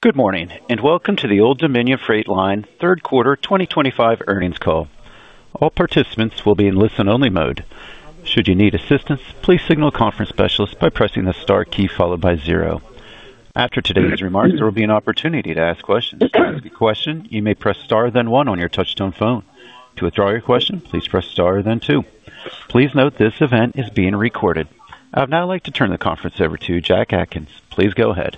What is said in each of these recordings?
Good morning and welcome to the Old Dominion Freight Line third quarter 2025 earnings call. All participants will be in listen-only mode. Should you need assistance, please signal a conference specialist by pressing the star key followed by zero. After today's remarks, there will be an opportunity to ask questions. If you have a question, you may press star then one on your touch-tone phone. To withdraw your question, please press star then two. Please note this event is being recorded. I'd now like to turn the conference over to Jack Atkins. Please go ahead.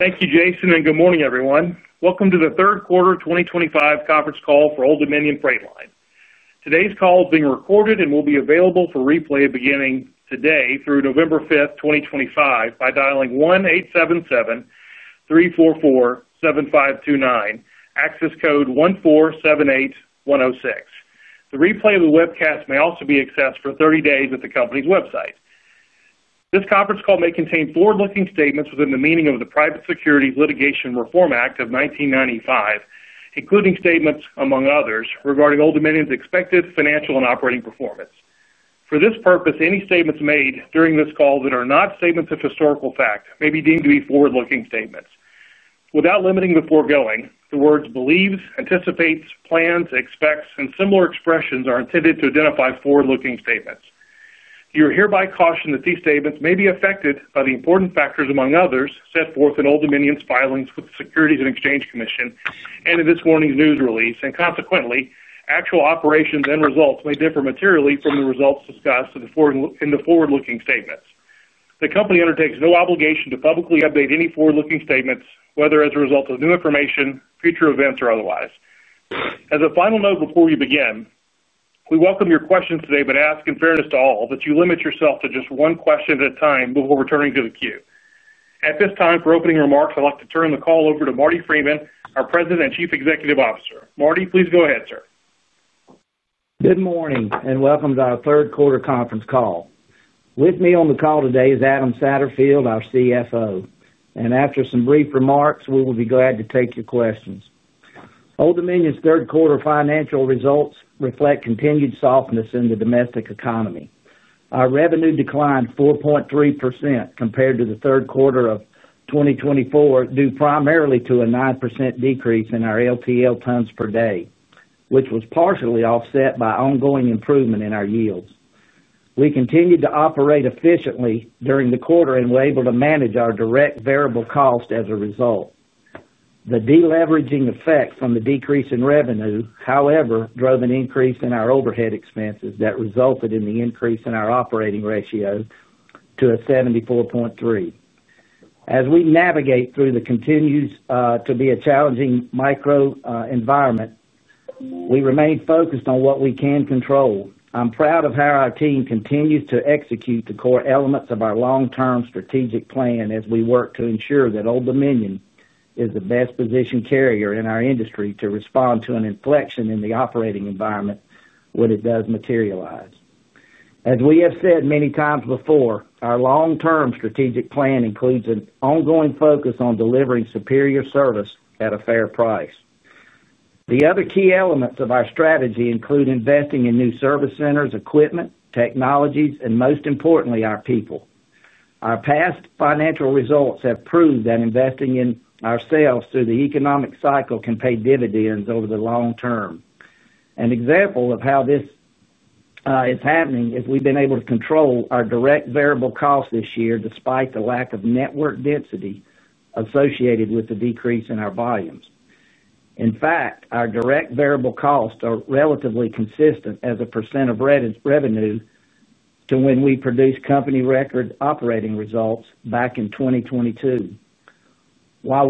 Thank you, Jason, and good morning, everyone. Welcome to the third quarter 2025 conference call for Old Dominion Freight Line. Today's call is being recorded and will be available for replay beginning today through November 5th, 2025, by dialing 1-877-344-7529, access code 1478106. The replay of the webcast may also be accessed for 30 days at the company's website. This conference call may contain forward-looking statements within the meaning of the Private Securities Litigation Reform Act of 1995, including statements, among others, regarding Old Dominion's expected financial and operating performance. For this purpose, any statements made during this call that are not statements of historical fact may be deemed to be forward-looking statements. Without limiting the foregoing, the words believes, anticipates, plans, expects, and similar expressions are intended to identify forward-looking statements. You are hereby cautioned that these statements may be affected by the important factors, among others, set forth in Old Dominion's filings with the Securities and Exchange Commission and in this morning's news release, and consequently, actual operations and results may differ materially from the results discussed in the forward-looking statements. The company undertakes no obligation to publicly update any forward-looking statements, whether as a result of new information, future events, or otherwise. As a final note before you begin, we welcome your questions today, but ask in fairness to all that you limit yourself to just one question at a time before returning to the queue. At this time, for opening remarks, I'd like to turn the call over to Marty Freeman, our President and Chief Executive Officer. Marty, please go ahead, sir. Good morning and welcome to our third quarter conference call. With me on the call today is Adam Satterfield, our CFO, and after some brief remarks, we will be glad to take your questions. Old Dominion's third quarter financial results reflect continued softness in the domestic economy. Our revenue declined 4.3% compared to the third quarter of 2024, due primarily to a 9% decrease in our LTL tons per day, which was partially offset by ongoing improvement in our yields. We continued to operate efficiently during the quarter and were able to manage our direct variable cost as a result. The deleveraging effect from the decrease in revenue, however, drove an increase in our overhead expenses that resulted in the increase in our operating ratio to 74.3%. As we navigate through what continues to be a challenging micro environment, we remain focused on what we can control. I'm proud of how our team continues to execute the core elements of our long-term strategic plan as we work to ensure that Old Dominion is the best positioned carrier in our industry to respond to an inflection in the operating environment when it does materialize. As we have said many times before, our long-term strategic plan includes an ongoing focus on delivering superior service at a fair price. The other key elements of our strategy include investing in new service centers, equipment, technologies, and most importantly, our people. Our past financial results have proved that investing in ourselves through the economic cycle can pay dividends over the long term. An example of how this is happening is we've been able to control our direct variable cost this year despite the lack of network density associated with the decrease in our volumes. In fact, our direct variable costs are relatively consistent as a percent of revenue to when we produced company record operating results back in 2022. While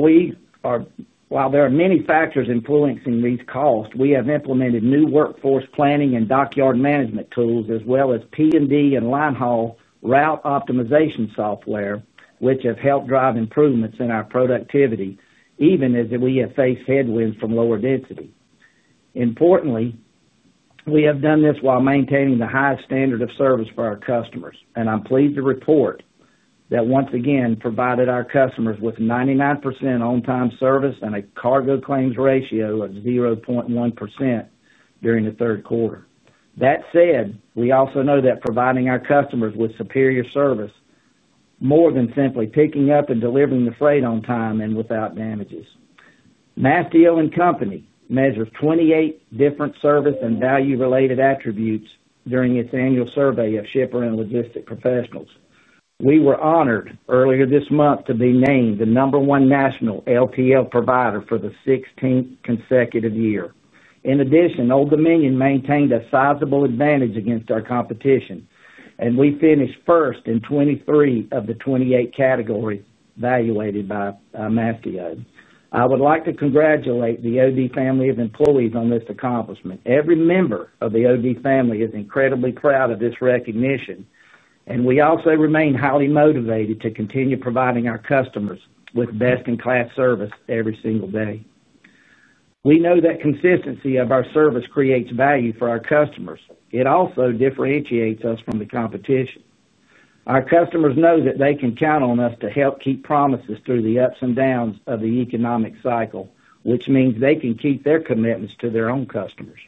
there are many factors influencing these costs, we have implemented new workforce planning and dockyard management tools, as well as P&D and line haul route optimization software, which have helped drive improvements in our productivity, even as we have faced headwinds from lower density. Importantly, we have done this while maintaining the highest standard of service for our customers, and I'm pleased to report that we once again provided our customers with 99% on-time service and a cargo claims ratio of 0.1% during the third quarter. That said, we also know that providing our customers with superior service is more than simply picking up and delivering the freight on time and without damages. Mastio & Company measured 28 different service and value-related attributes during its annual survey of shipper and logistic professionals. We were honored earlier this month to be named the number one national LTL provider for the 16th consecutive year. In addition, Old Dominion maintained a sizable advantage against our competition, and we finished first in 23 of the 28 categories evaluated by Mastio. I would like to congratulate the OD family of employees on this accomplishment. Every member of the OD family is incredibly proud of this recognition, and we also remain highly motivated to continue providing our customers with best-in-class service every single day. We know that consistency of our service creates value for our customers. It also differentiates us from the competition. Our customers know that they can count on us to help keep promises through the ups and downs of the economic cycle, which means they can keep their commitments to their own customers.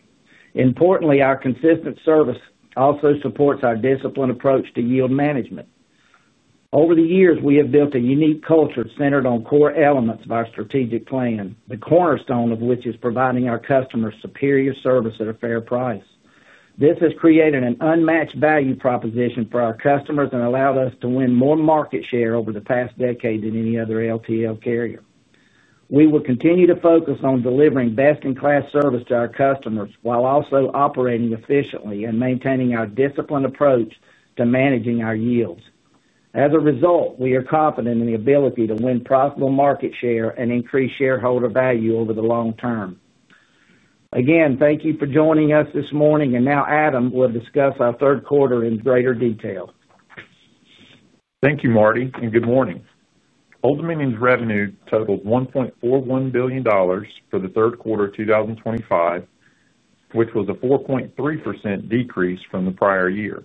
Importantly, our consistent service also supports our disciplined approach to yield management. Over the years, we have built a unique culture centered on core elements of our strategic plan, the cornerstone of which is providing our customers superior service at a fair price. This has created an unmatched value proposition for our customers and allowed us to win more market share over the past decade than any other LTL carrier. We will continue to focus on delivering best-in-class service to our customers while also operating efficiently and maintaining our disciplined approach to managing our yields. As a result, we are confident in the ability to win profitable market share and increase shareholder value over the long term. Again, thank you for joining us this morning, and now Adam will discuss our third quarter in greater detail. Thank you, Marty, and good morning. Old Dominion's revenue totaled $1.41 billion for the third quarter of 2025, which was a 4.3% decrease from the prior year.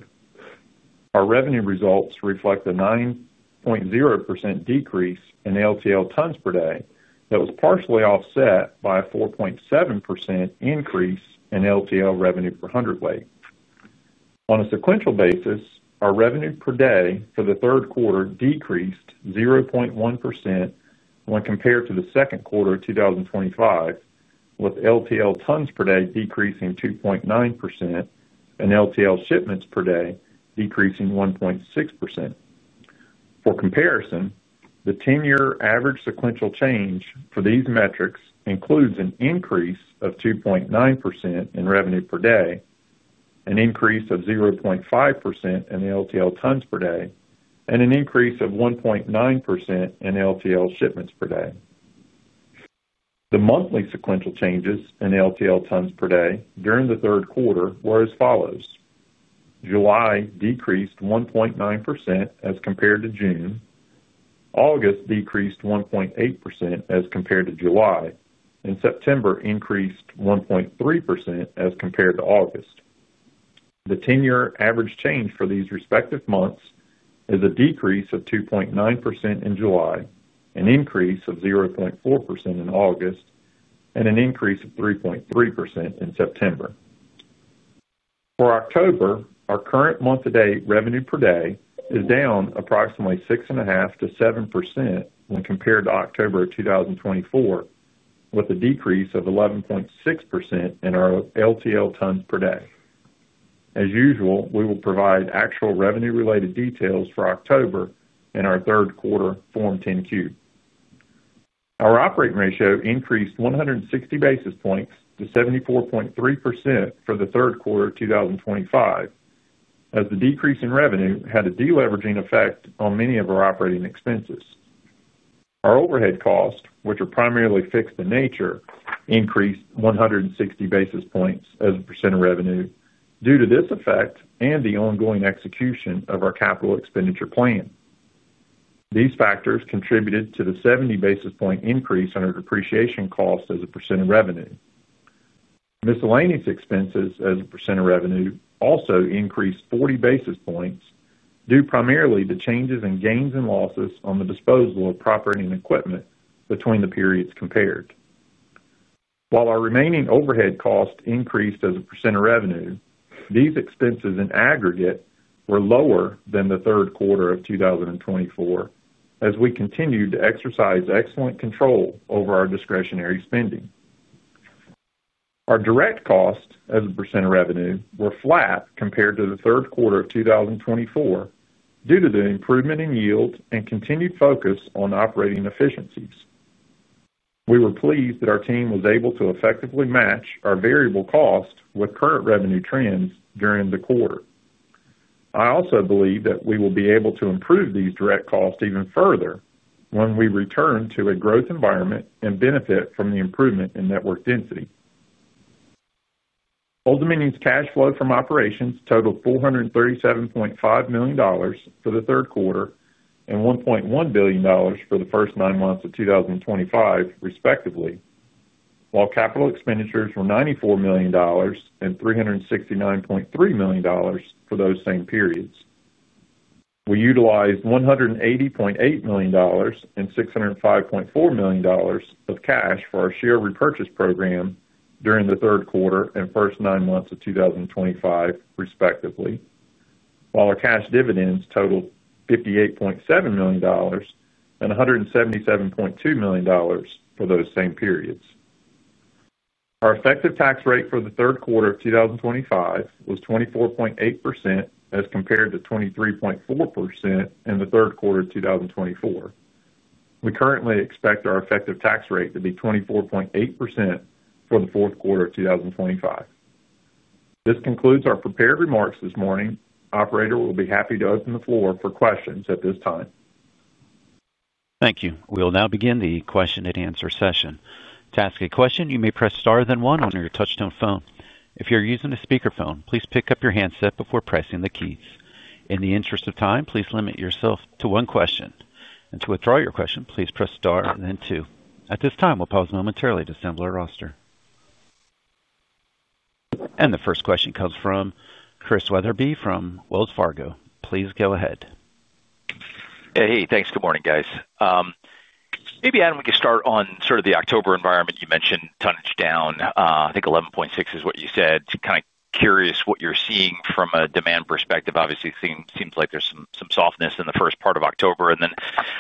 Our revenue results reflect a 9.0% decrease in LTL tons per day that was partially offset by a 4.7% increase in LTL revenue per hundredweight. On a sequential basis, our revenue per day for the third quarter decreased 0.1% when compared to the second quarter of 2025, with LTL tons per day decreasing 2.9% and LTL shipments per day decreasing 1.6%. For comparison, the 10-year average sequential change for these metrics includes an increase of 2.9% in revenue per day, an increase of 0.5% in LTL tons per day, and an increase of 1.9% in LTL shipments per day. The monthly sequential changes in LTL tons per day during the third quarter were as follows: July decreased 1.9% as compared to June, August decreased 1.8% as compared to July, and September increased 1.3% as compared to August. The 10-year average change for these respective months is a decrease of 2.9% in July, an increase of 0.4% in August, and an increase of 3.3% in September. For October, our current month-to-date revenue per day is down approximately 6.5%-7% when compared to October of 2024, with a decrease of 11.6% in our LTL tons per day. As usual, we will provide actual revenue-related details for October in our third quarter Form 10-Q. Our operating ratio increased 160 basis points to 74.3% for the third quarter of 2025, as the decrease in revenue had a deleveraging effect on many of our operating expenses. Our overhead costs, which are primarily fixed in nature, increased 160 basis points as a percent of revenue due to this effect and the ongoing execution of our capital expenditure plan. These factors contributed to the 70 basis point increase in our depreciation cost as a percent of revenue. Miscellaneous expenses as a percent of revenue also increased 40 basis points due primarily to changes in gains and losses on the disposal of property and equipment between the periods compared. While our remaining overhead cost increased as a percent of revenue, these expenses in aggregate were lower than the third quarter of 2024, as we continued to exercise excellent control over our discretionary spending. Our direct costs as a percent of revenue were flat compared to the third quarter of 2024 due to the improvement in yields and continued focus on operating efficiencies. We were pleased that our team was able to effectively match our variable cost with current revenue trends during the quarter. I also believe that we will be able to improve these direct costs even further when we return to a growth environment and benefit from the improvement in network density. Old Dominion's cash flow from operations totaled $437.5 million for the third quarter and $1.1 billion for the first nine months of 2025, respectively, while capital expenditures were $94 million and $369.3 million for those same periods. We utilized $180.8 million and $605.4 million of cash for our share repurchase program during the third quarter and first nine months of 2025, respectively, while our cash dividends totaled $58.7 million and $177.2 million for those same periods. Our effective tax rate for the third quarter of 2025 was 24.8% as compared to 23.4% in the third quarter of 2024. We currently expect our effective tax rate to be 24.8% for the fourth quarter of 2025. This concludes our prepared remarks this morning. Operator we'll be happy to open the floor for questions at this time. Thank you. We'll now begin the question and answer session. To ask a question, you may press star then one on your touch-tone phone. If you're using a speaker phone, please pick up your handset before pressing the keys. In the interest of time, please limit yourself to one question. To withdraw your question, please press star then two. At this time, we'll pause momentarily to assemble our roster. The first question comes from Chris Wetherbee from Wells Fargo. Please go ahead. Hey, thanks. Good morning, guys. Maybe, Adam, we could start on sort of the October environment. You mentioned tonnage down. I think 11.6% is what you said. Kind of curious what you're seeing from a demand perspective. Obviously, it seems like there's some softness in the first part of October. I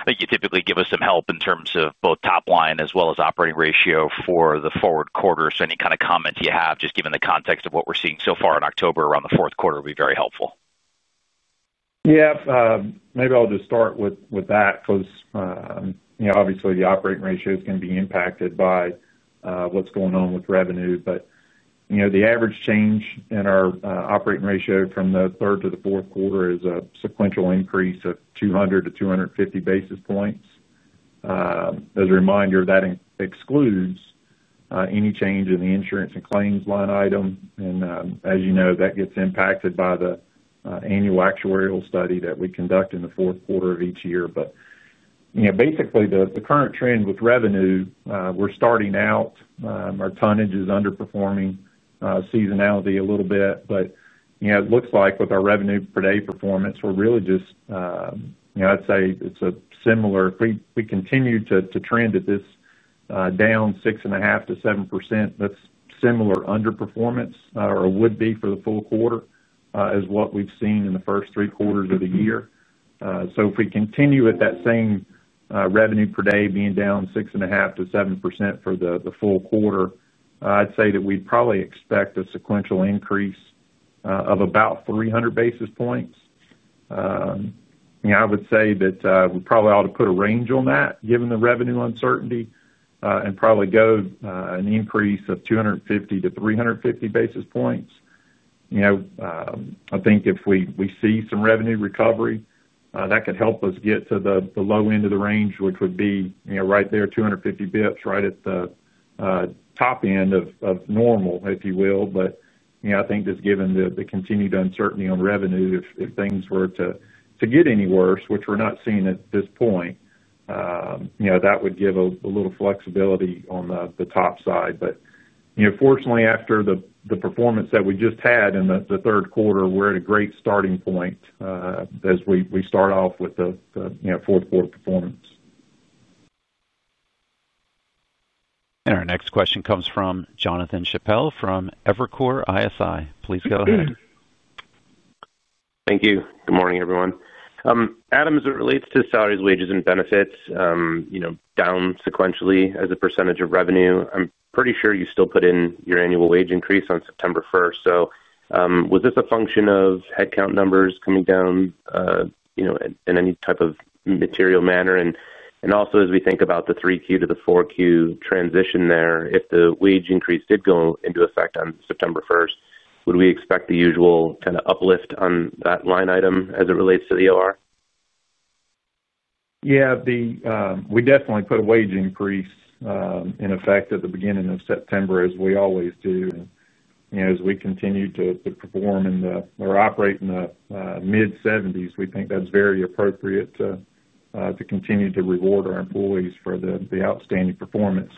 think you typically give us some help in terms of both top line as well as operating ratio for the forward quarter. Any kind of comments you have, just given the context of what we're seeing so far in October around the fourth quarter, would be very helpful. Maybe I'll just start with that because, you know, obviously, the operating ratio is going to be impacted by what's going on with revenue. The average change in our operating ratio from the third to the fourth quarter is a sequential increase of 200 to 250 basis points. As a reminder, that excludes any change in the insurance and claims line item. As you know, that gets impacted by the annual actuarial study that we conduct in the fourth quarter of each year. Basically, the current trend with revenue, we're starting out, our tonnage is underperforming seasonality a little bit. It looks like with our revenue per day performance, we're really just, I'd say it's a similar, if we continue to trend at this down 6.5%-7%, that's similar underperformance or would be for the full quarter as what we've seen in the first three quarters of the year. If we continue with that same revenue per day being down 6.5%-7% for the full quarter, I'd say that we'd probably expect a sequential increase of about 300 basis points. I would say that we probably ought to put a range on that given the revenue uncertainty and probably go an increase of 250 to 350 basis points. I think if we see some revenue recovery, that could help us get to the low end of the range, which would be, you know, right there, 250 bps right at the top end of normal, if you will. I think just given the continued uncertainty on revenue, if things were to get any worse, which we're not seeing at this point, that would give a little flexibility on the top side. Fortunately, after the performance that we just had in the third quarter, we're at a great starting point as we start off with the fourth quarter performance. Our next question comes from Jonathan Chappell from Evercore ISI. Please go ahead. Thank you. Good morning, everyone. Adam, as it relates to salaries, wages, and benefits, down sequentially as a percentage of revenue, I'm pretty sure you still put in your annual wage increase on September 1st. Was this a function of headcount numbers coming down in any type of material manner? Also, as we think about the 3Q to the 4Q transition there, if the wage increase did go into effect on September 1st, would we expect the usual kind of uplift on that line item as it relates to the OR? Yeah, we definitely put a wage increase in effect at the beginning of September, as we always do. As we continue to perform in or operate in the mid-70s, we think that's very appropriate to continue to reward our employees for the outstanding performance.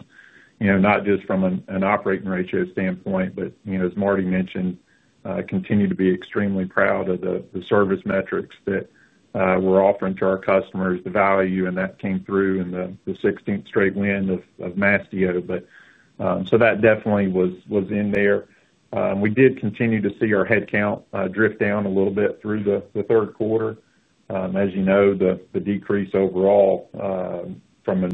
Not just from an operating ratio standpoint, but as Marty mentioned, we continue to be extremely proud of the service metrics that we're offering to our customers, the value, and that came through in the 16th straight win of Mastio. That definitely was in there. We did continue to see our headcount drift down a little bit through the third quarter. As you know, the decrease overall from a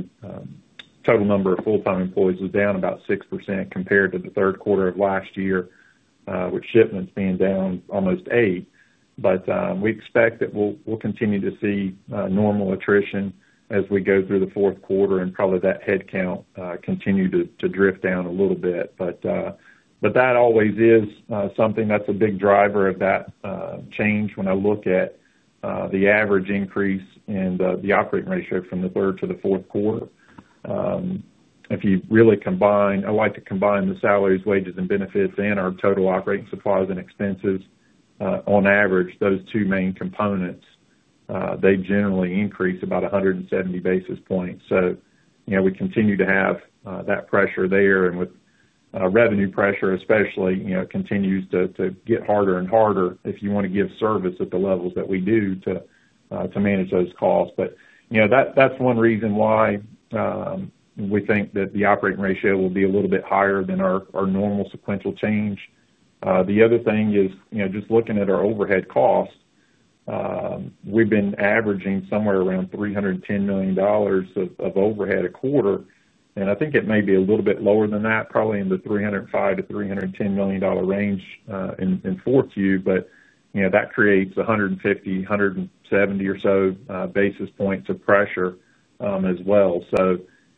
total number of full-time employees is down about 6% compared to the third quarter of last year, with shipments being down almost 8%. We expect that we'll continue to see normal attrition as we go through the fourth quarter and probably that headcount will continue to drift down a little bit. That always is something that's a big driver of that change when I look at the average increase in the operating ratio from the third to the fourth quarter. If you really combine, I like to combine the salaries, wages, and benefits and our total operating supplies and expenses, on average, those two main components generally increase about 170 basis points. We continue to have that pressure there. With revenue pressure especially, it continues to get harder and harder if you want to give service at the levels that we do to manage those costs. That's one reason why we think that the operating ratio will be a little bit higher than our normal sequential change. The other thing is, just looking at our overhead costs, we've been averaging somewhere around $310 million of overhead a quarter. I think it may be a little bit lower than that, probably in the $305 million-$310 million range in 4Q. That creates 150, 170 or so basis points of pressure as well.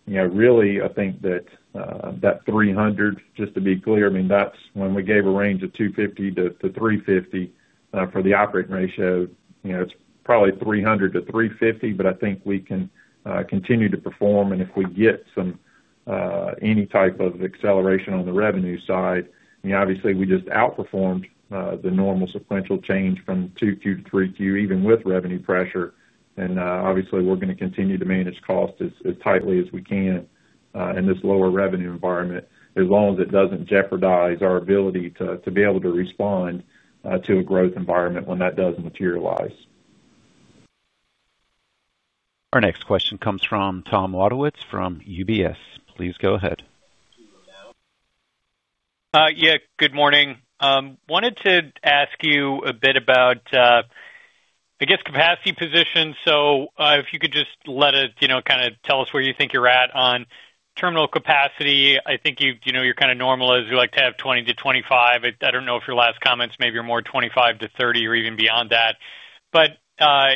Really, I think that $300 million, just to be clear, that's when we gave a range of $250 million-$350 million for the operating ratio. It's probably $300 million-$350 million, but I think we can continue to perform. If we get any type of acceleration on the revenue side, obviously, we just outperformed the normal sequential change from 2Q to 3Q, even with revenue pressure. Obviously, we're going to continue to manage costs as tightly as we can in this lower revenue environment, as long as it doesn't jeopardize our ability to be able to respond to a growth environment when that does materialize. Our next question comes from Tom Wadewitz from UBS. Please go ahead. Yeah, good morning. I wanted to ask you a bit about, I guess, capacity positions. If you could just let us kind of tell us where you think you're at on terminal capacity. I think you're kind of normal as you like to have 20%-25%. I don't know if your last comments maybe are more 25%-30% or even beyond that.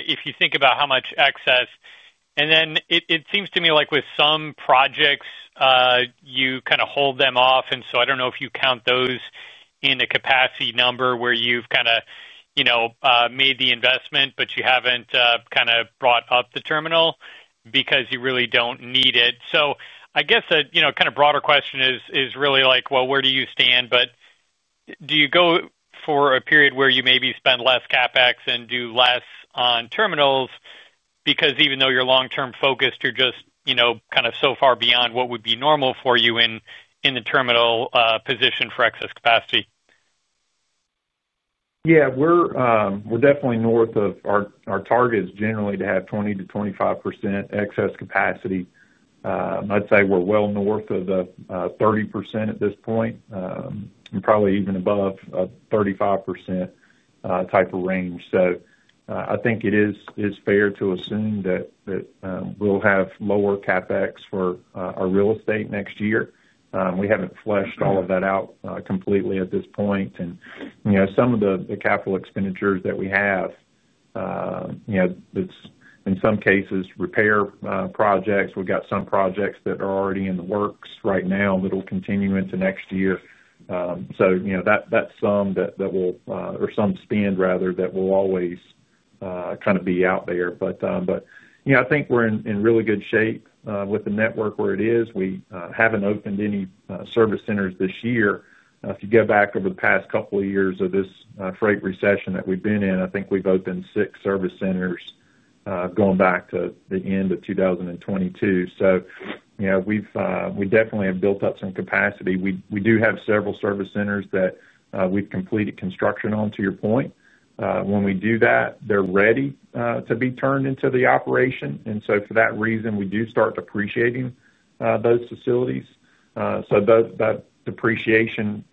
If you think about how much excess, it seems to me like with some projects, you kind of hold them off. I don't know if you count those in a capacity number where you've kind of, you know, made the investment, but you haven't kind of brought up the terminal because you really don't need it. I guess a kind of broader question is really like, where do you stand? Do you go for a period where you maybe spend less CapEx and do less on terminals because even though you're long-term focused, you're just, you know, kind of so far beyond what would be normal for you in the terminal position for excess capacity? Yeah, we're definitely north of our target. It is generally to have 20%-25% excess capacity. I'd say we're well north of the 30% at this point and probably even above a 35% type of range. I think it is fair to assume that we'll have lower CapEx for our real estate next year. We haven't fleshed all of that out completely at this point. Some of the capital expenditures that we have, in some cases, are repair projects. We've got some projects that are already in the works right now that'll continue into next year. That's some spend that will always kind of be out there. I think we're in really good shape with the network where it is. We haven't opened any service centers this year. If you go back over the past couple of years of this freight recession that we've been in, I think we've opened six service centers going back to the end of 2022. We definitely have built up some capacity. We do have several service centers that we've completed construction on, to your point. When we do that, they're ready to be turned into the operation. For that reason, we do start depreciating those facilities. The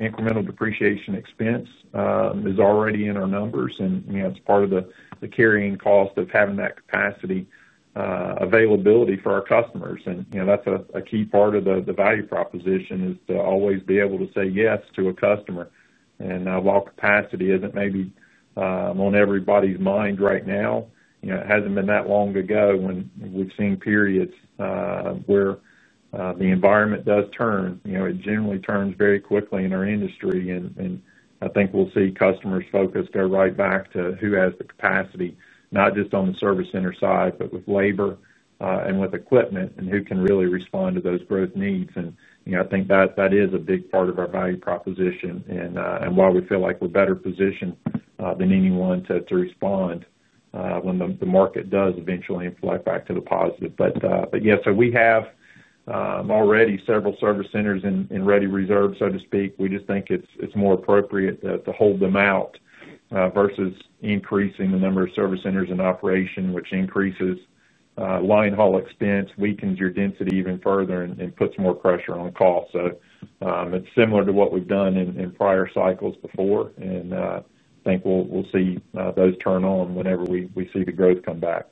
incremental depreciation expense is already in our numbers, and it's part of the carrying cost of having that capacity availability for our customers. That's a key part of the value proposition, to always be able to say yes to a customer. While capacity isn't maybe on everybody's mind right now, it hasn't been that long ago when we've seen periods where the environment does turn. It generally turns very quickly in our industry. I think we'll see customers' focus go right back to who has the capacity, not just on the service center side, but with labor and with equipment and who can really respond to those growth needs. I think that is a big part of our value proposition and why we feel like we're better positioned than anyone to respond when the market does eventually flood back to the positive. We have already several service centers in ready reserve, so to speak. We just think it's more appropriate to hold them out versus increasing the number of service centers in operation, which increases line haul expense, weakens your density even further, and puts more pressure on cost. It's similar to what we've done in prior cycles before. I think we'll see those turn on whenever we see the growth come back.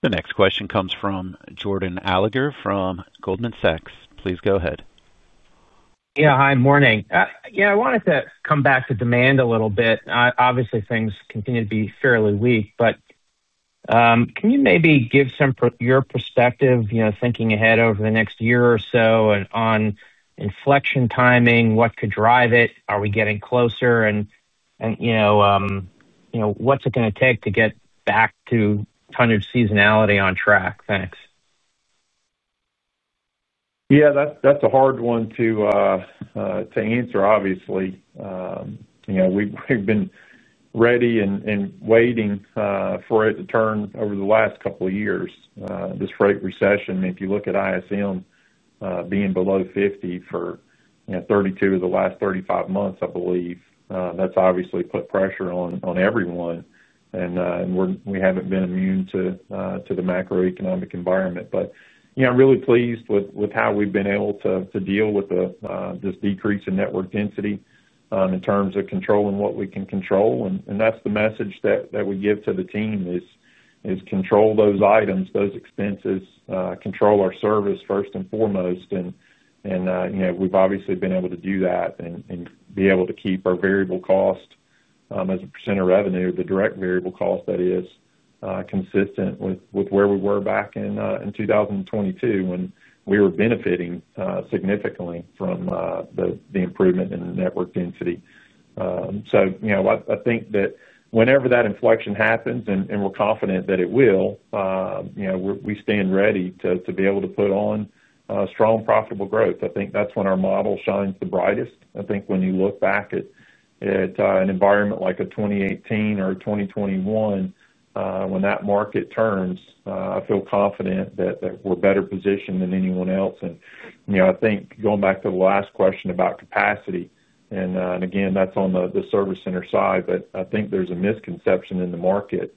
The next question comes from Jordan Alliger from Goldman Sachs. Please go ahead. Yeah, hi, good morning. I wanted to come back to demand a little bit. Obviously, things continue to be fairly weak, but can you maybe give your perspective, you know, thinking ahead over the next year or so on inflection timing, what could drive it? Are we getting closer? You know, what's it going to take to get back to tonnage seasonality on track? Thanks. Yeah, that's a hard one to answer, obviously. We've been ready and waiting for it to turn over the last couple of years, this freight recession. If you look at ISM being below 50 for 32 of the last 35 months, I believe, that's obviously put pressure on everyone. We haven't been immune to the macroeconomic environment. I'm really pleased with how we've been able to deal with this decrease in network density in terms of controlling what we can control. That's the message that we give to the team: control those items, those expenses, control our service first and foremost. We've obviously been able to do that and be able to keep our variable cost as a percent of revenue, the direct variable cost, that is, consistent with where we were back in 2022 when we were benefiting significantly from the improvement in network density. I think that whenever that inflection happens, and we're confident that it will, we stand ready to be able to put on strong profitable growth. I think that's when our model shines the brightest. When you look back at an environment like a 2018 or 2021, when that market turns, I feel confident that we're better positioned than anyone else. Going back to the last question about capacity, and again, that's on the service center side, I think there's a misconception in the market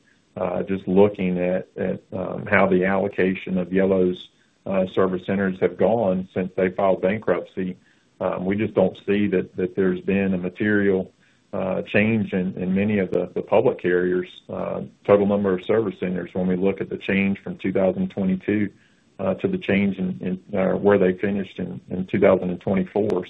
just looking at how the allocation of Yellow's service centers have gone since they filed bankruptcy. We just don't see that there's been a material change in many of the public carriers' total number of service centers when we look at the change from 2022 to the change in where they finished in 2024.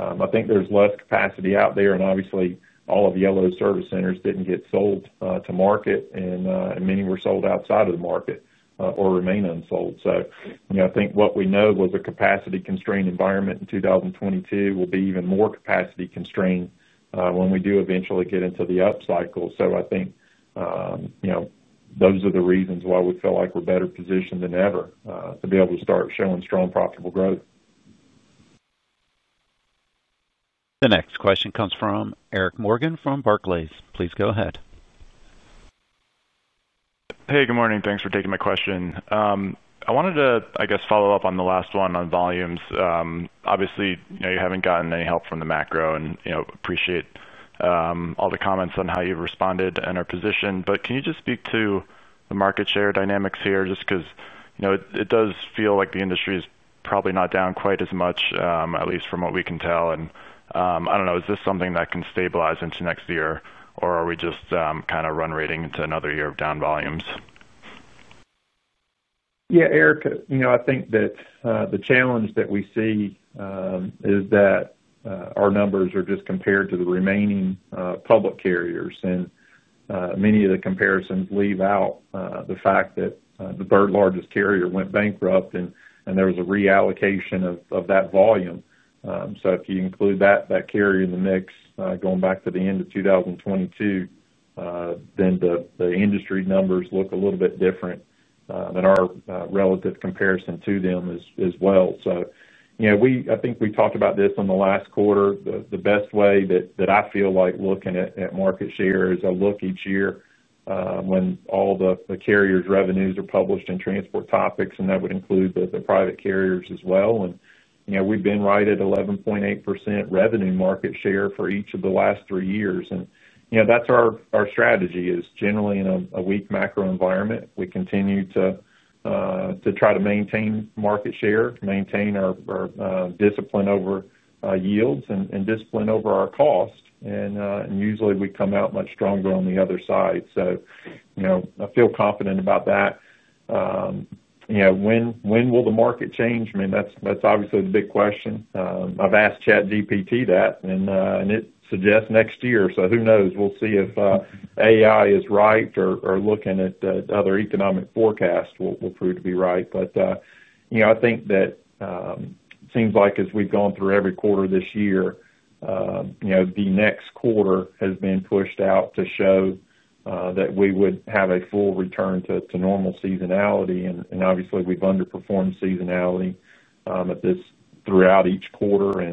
I think there's less capacity out there. Obviously, all of Yellow's service centers didn't get sold to market, and many were sold outside of the market or remain unsold. I think what we know was a capacity-constrained environment in 2022 will be even more capacity-constrained when we do eventually get into the up cycle. I think those are the reasons why we feel like we're better positioned than ever to be able to start showing strong profitable growth. The next question comes from Eric Morgan from Barclays. Please go ahead. Hey, good morning. Thanks for taking my question. I wanted to follow up on the last one on volumes. Obviously, you know, you haven't gotten any help from the macro, and I appreciate all the comments on how you've responded and our position. Can you just speak to the market share dynamics here? Just because, you know, it does feel like the industry is probably not down quite as much, at least from what we can tell. I don't know, is this something that can stabilize into next year, or are we just kind of run rating into another year of down volumes? Yeah, Eric, I think that the challenge that we see is that our numbers are just compared to the remaining public carriers. Many of the comparisons leave out the fact that the third largest carrier went bankrupt, and there was a reallocation of that volume. If you include that carrier in the mix going back to the end of 2022, then the industry numbers look a little bit different in our relative comparison to them as well. I think we talked about this in the last quarter. The best way that I feel like looking at market share is I look each year when all the carriers' revenues are published in Transport Topics, and that would include the private carriers as well. We've been right at 11.8% revenue market share for each of the last three years. That's our strategy. Generally, in a weak macro environment, we continue to try to maintain market share, maintain our discipline over yields, and discipline over our cost. Usually, we come out much stronger on the other side. I feel confident about that. When will the market change? I mean, that's obviously the big question. I've asked ChatGPT that, and it suggests next year. Who knows? We'll see if AI is right or looking at other economic forecasts will prove to be right. I think that it seems like as we've gone through every quarter this year, the next quarter has been pushed out to show that we would have a full return to normal seasonality. Obviously, we've underperformed seasonality throughout each quarter.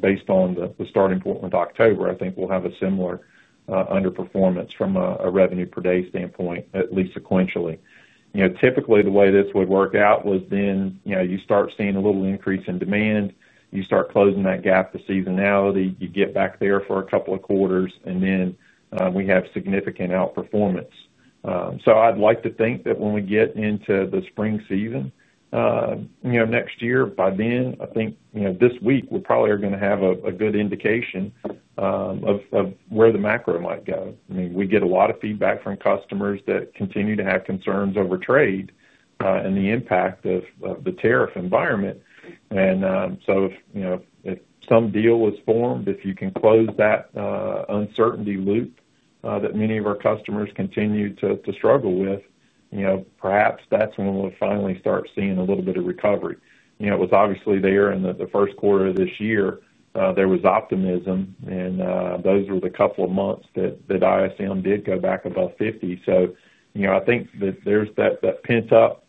Based on the starting point with October, I think we'll have a similar underperformance from a revenue per day standpoint, at least sequentially. Typically, the way this would work out was you start seeing a little increase in demand, you start closing that gap to seasonality, you get back there for a couple of quarters, and then we have significant outperformance. I'd like to think that when we get into the spring season next year, by then, I think this week we probably are going to have a good indication of where the macro might go. We get a lot of feedback from customers that continue to have concerns over trade and the impact of the tariff environment. If some deal is formed, if you can close that uncertainty loop that many of our customers continue to struggle with, perhaps that's when we'll finally start seeing a little bit of recovery. It was obviously there in the first quarter of this year, there was optimism, and those were the couple of months that ISM did go back above 50. I think that there's that pent-up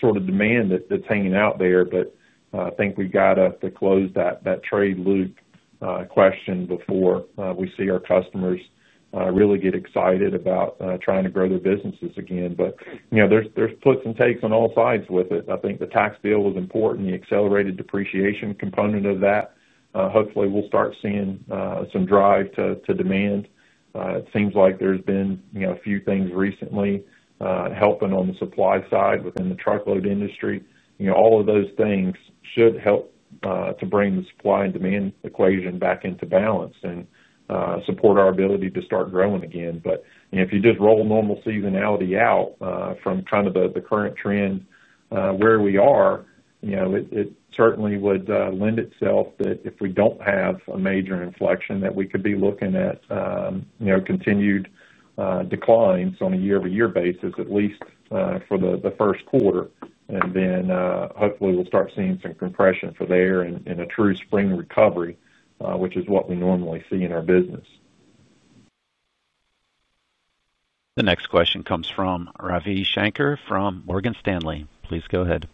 sort of demand that's hanging out there, but I think we got to close that trade loop question before we see our customers really get excited about trying to grow their businesses again. There's puts and takes on all sides with it. I think the tax bill was important, the accelerated depreciation component of that. Hopefully, we'll start seeing some drive to demand. It seems like there's been a few things recently helping on the supply side within the truckload industry. All of those things should help to bring the supply and demand equation back into balance and support our ability to start growing again. If you just roll normal seasonality out from kind of the current trend where we are, it certainly would lend itself that if we don't have a major inflection, we could be looking at continued declines on a year-over-year basis, at least for the first quarter. Hopefully, we'll start seeing some compression for there and a true spring recovery, which is what we normally see in our business. The next question comes from Ravi Shanker from Morgan Stanley. Please go ahead.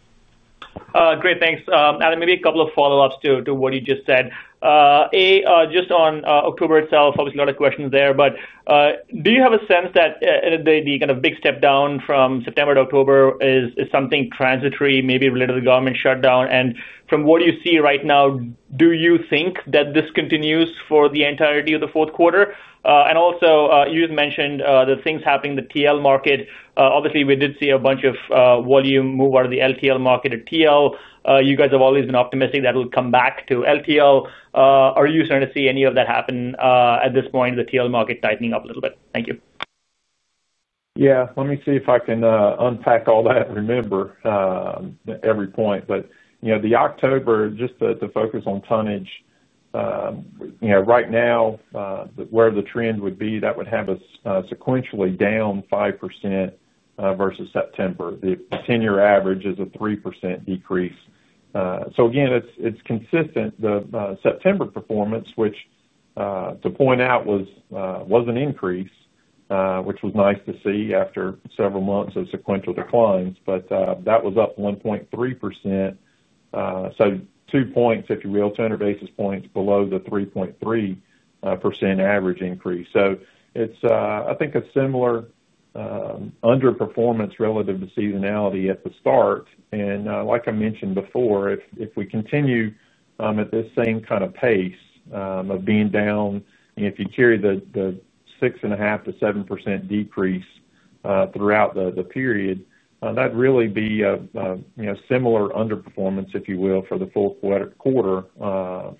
Great, thanks. Adam, maybe a couple of follow-ups to what you just said. A, just on October itself, obviously a lot of questions there, but do you have a sense that the kind of big step down from September to October is something transitory, maybe related to the government shutdown? From what you see right now, do you think that this continues for the entirety of the fourth quarter? Also, you had mentioned the things happening in the TL market. Obviously, we did see a bunch of volume move out of the LTL market at TL. You guys have always been optimistic that it'll come back to LTL. Are you starting to see any of that happen at this point, the TL market tightening up a little bit? Thank you. Let me see if I can unpack all that and remember every point. The October, just to focus on tonnage, right now where the trend would be, that would have us sequentially down 5% versus September. The 10-year average is a 3% decrease. Again, it's consistent. The September performance, which to point out was an increase, which was nice to see after several months of sequential declines, but that was up 1.3%. Two points, if you will, 200 basis points below the 3.3% average increase. It's, I think, a similar underperformance relative to seasonality at the start. Like I mentioned before, if we continue at this same kind of pace of being down, if you carry the 6.5%-7% decrease throughout the period, that'd really be a similar underperformance, if you will, for the fourth quarter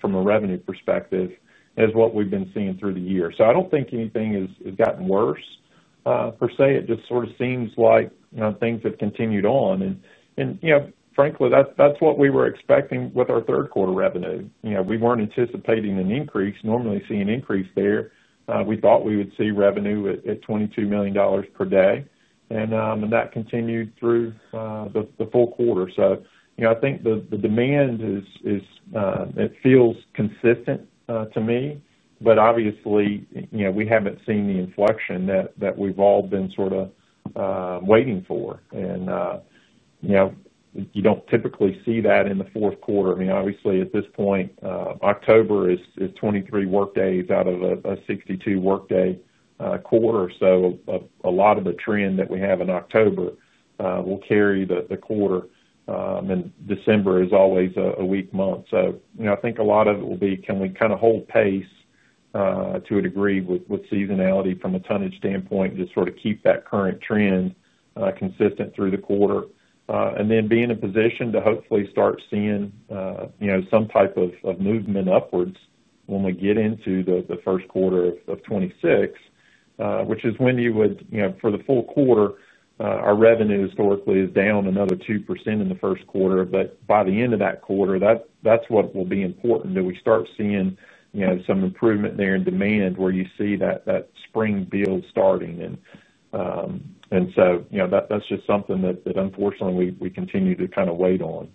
from a revenue perspective as what we've been seeing through the year. I don't think anything has gotten worse per se. It just sort of seems like things have continued on. Frankly, that's what we were expecting with our third quarter revenue. We weren't anticipating an increase. Normally, see an increase there. We thought we would see revenue at $22 million per day. That continued through the full quarter. I think the demand is, it feels consistent to me. Obviously, we haven't seen the inflection that we've all been sort of waiting for. You don't typically see that in the fourth quarter. Obviously, at this point, October is 23 workdays out of a 62 workday quarter. A lot of the trend that we have in October will carry the quarter. December is always a weak month. I think a lot of it will be, can we kind of hold pace to a degree with seasonality from a tonnage standpoint to sort of keep that current trend consistent through the quarter? Then be in a position to hopefully start seeing some type of movement upwards when we get into the first quarter of 2026, which is when you would, for the full quarter, our revenue historically is down another 2% in the first quarter. By the end of that quarter, that's what will be important. Do we start seeing some improvement there in demand where you see that spring build starting? That's just something that unfortunately we continue to kind of wait on.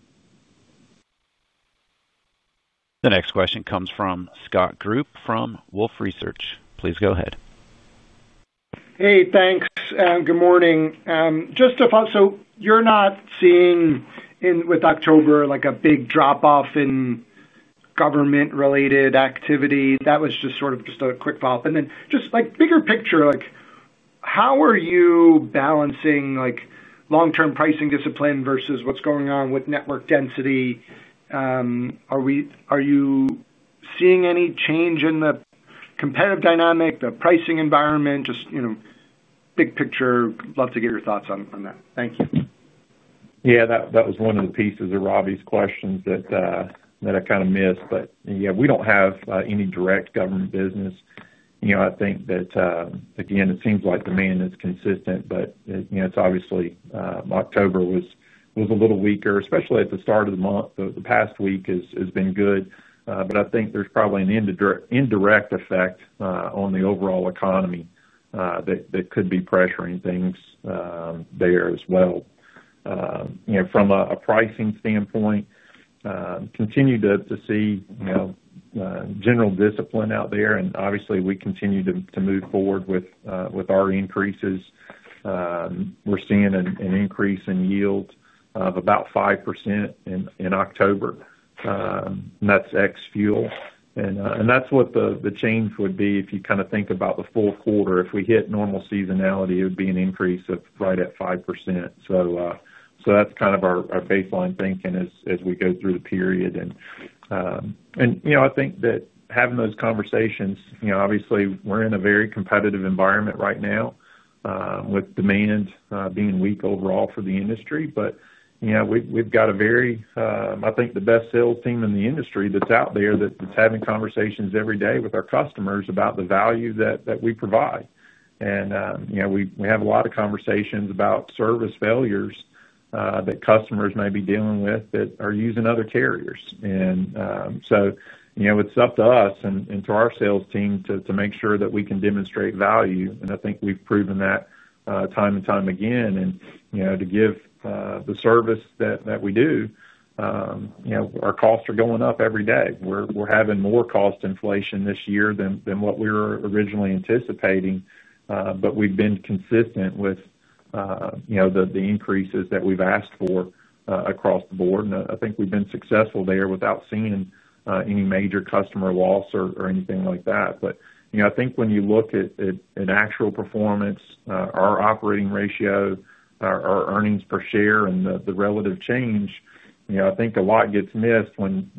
The next question comes from Scott Group from Wolfe Research. Please go ahead. Hey, thanks. Good morning. Just to follow up, you're not seeing with October a big drop-off in government-related activity? That was just a quick follow-up. Just bigger picture, how are you balancing long-term pricing discipline versus what's going on with network density? Are you seeing any change in the competitive dynamic, the pricing environment? Just big picture, love to get your thoughts on that. Thank you. Yeah, that was one of the pieces of Ravi's questions that I kind of missed. We don't have any direct government business. I think that, again, it seems like demand is consistent, but it's obviously October was a little weaker, especially at the start of the month. The past week has been good. I think there's probably an indirect effect on the overall economy that could be pressuring things there as well. From a pricing standpoint, continue to see general discipline out there. Obviously, we continue to move forward with our increases. We're seeing an increase in yield of about 5% in October, and that's ex-fuel. That's what the change would be if you kind of think about the full quarter. If we hit normal seasonality, it would be an increase of right at 5%. That's kind of our baseline thinking as we go through the period. I think that having those conversations, obviously, we're in a very competitive environment right now with demand being weak overall for the industry. We've got, I think, the best sales team in the industry that's out there that's having conversations every day with our customers about the value that we provide. We have a lot of conversations about service failures that customers may be dealing with that are using other carriers. It's up to us and to our sales team to make sure that we can demonstrate value. I think we've proven that time and time again. To give the service that we do, our costs are going up every day. We're having more cost inflation this year than what we were originally anticipating. We've been consistent with the increases that we've asked for across the board. I think we've been successful there without seeing any major customer loss or anything like that. I think when you look at actual performance, our operating ratio, our earnings per share, and the relative change, a lot gets missed when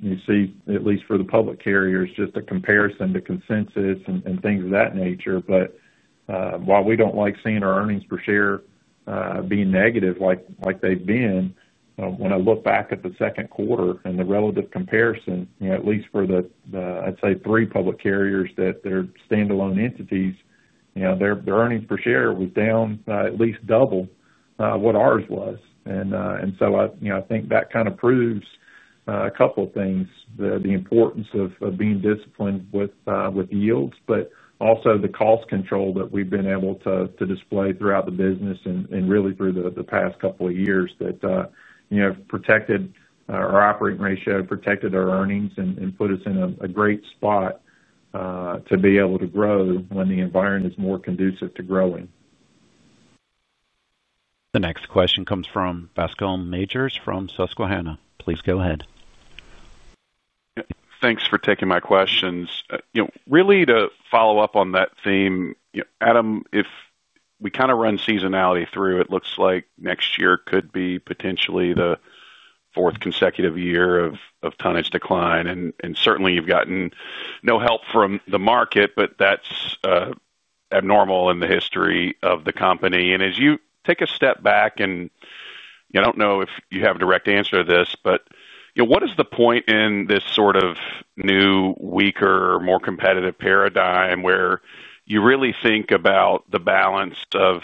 you see, at least for the public carriers, just a comparison to consensus and things of that nature. While we don't like seeing our earnings per share being negative like they've been, when I look back at the second quarter and the relative comparison, at least for the, I'd say, three public carriers that are standalone entities, their earnings per share was down at least double what ours was. I think that kind of proves a couple of things: the importance of being disciplined with yields, but also the cost control that we've been able to display throughout the business and really through the past couple of years that protected our operating ratio, protected our earnings, and put us in a great spot to be able to grow when the environment is more conducive to growing. The next question comes from Bascome Majors from Susquehanna. Please go ahead. Thanks for taking my questions. Really, to follow up on that theme, Adam, if we kind of run seasonality through, it looks like next year could be potentially the fourth consecutive year of tonnage decline. Certainly, you've gotten no help from the market, but that's abnormal in the history of the company. As you take a step back, I don't know if you have a direct answer to this, but what is the point in this sort of new, weaker, more competitive paradigm where you really think about the balance of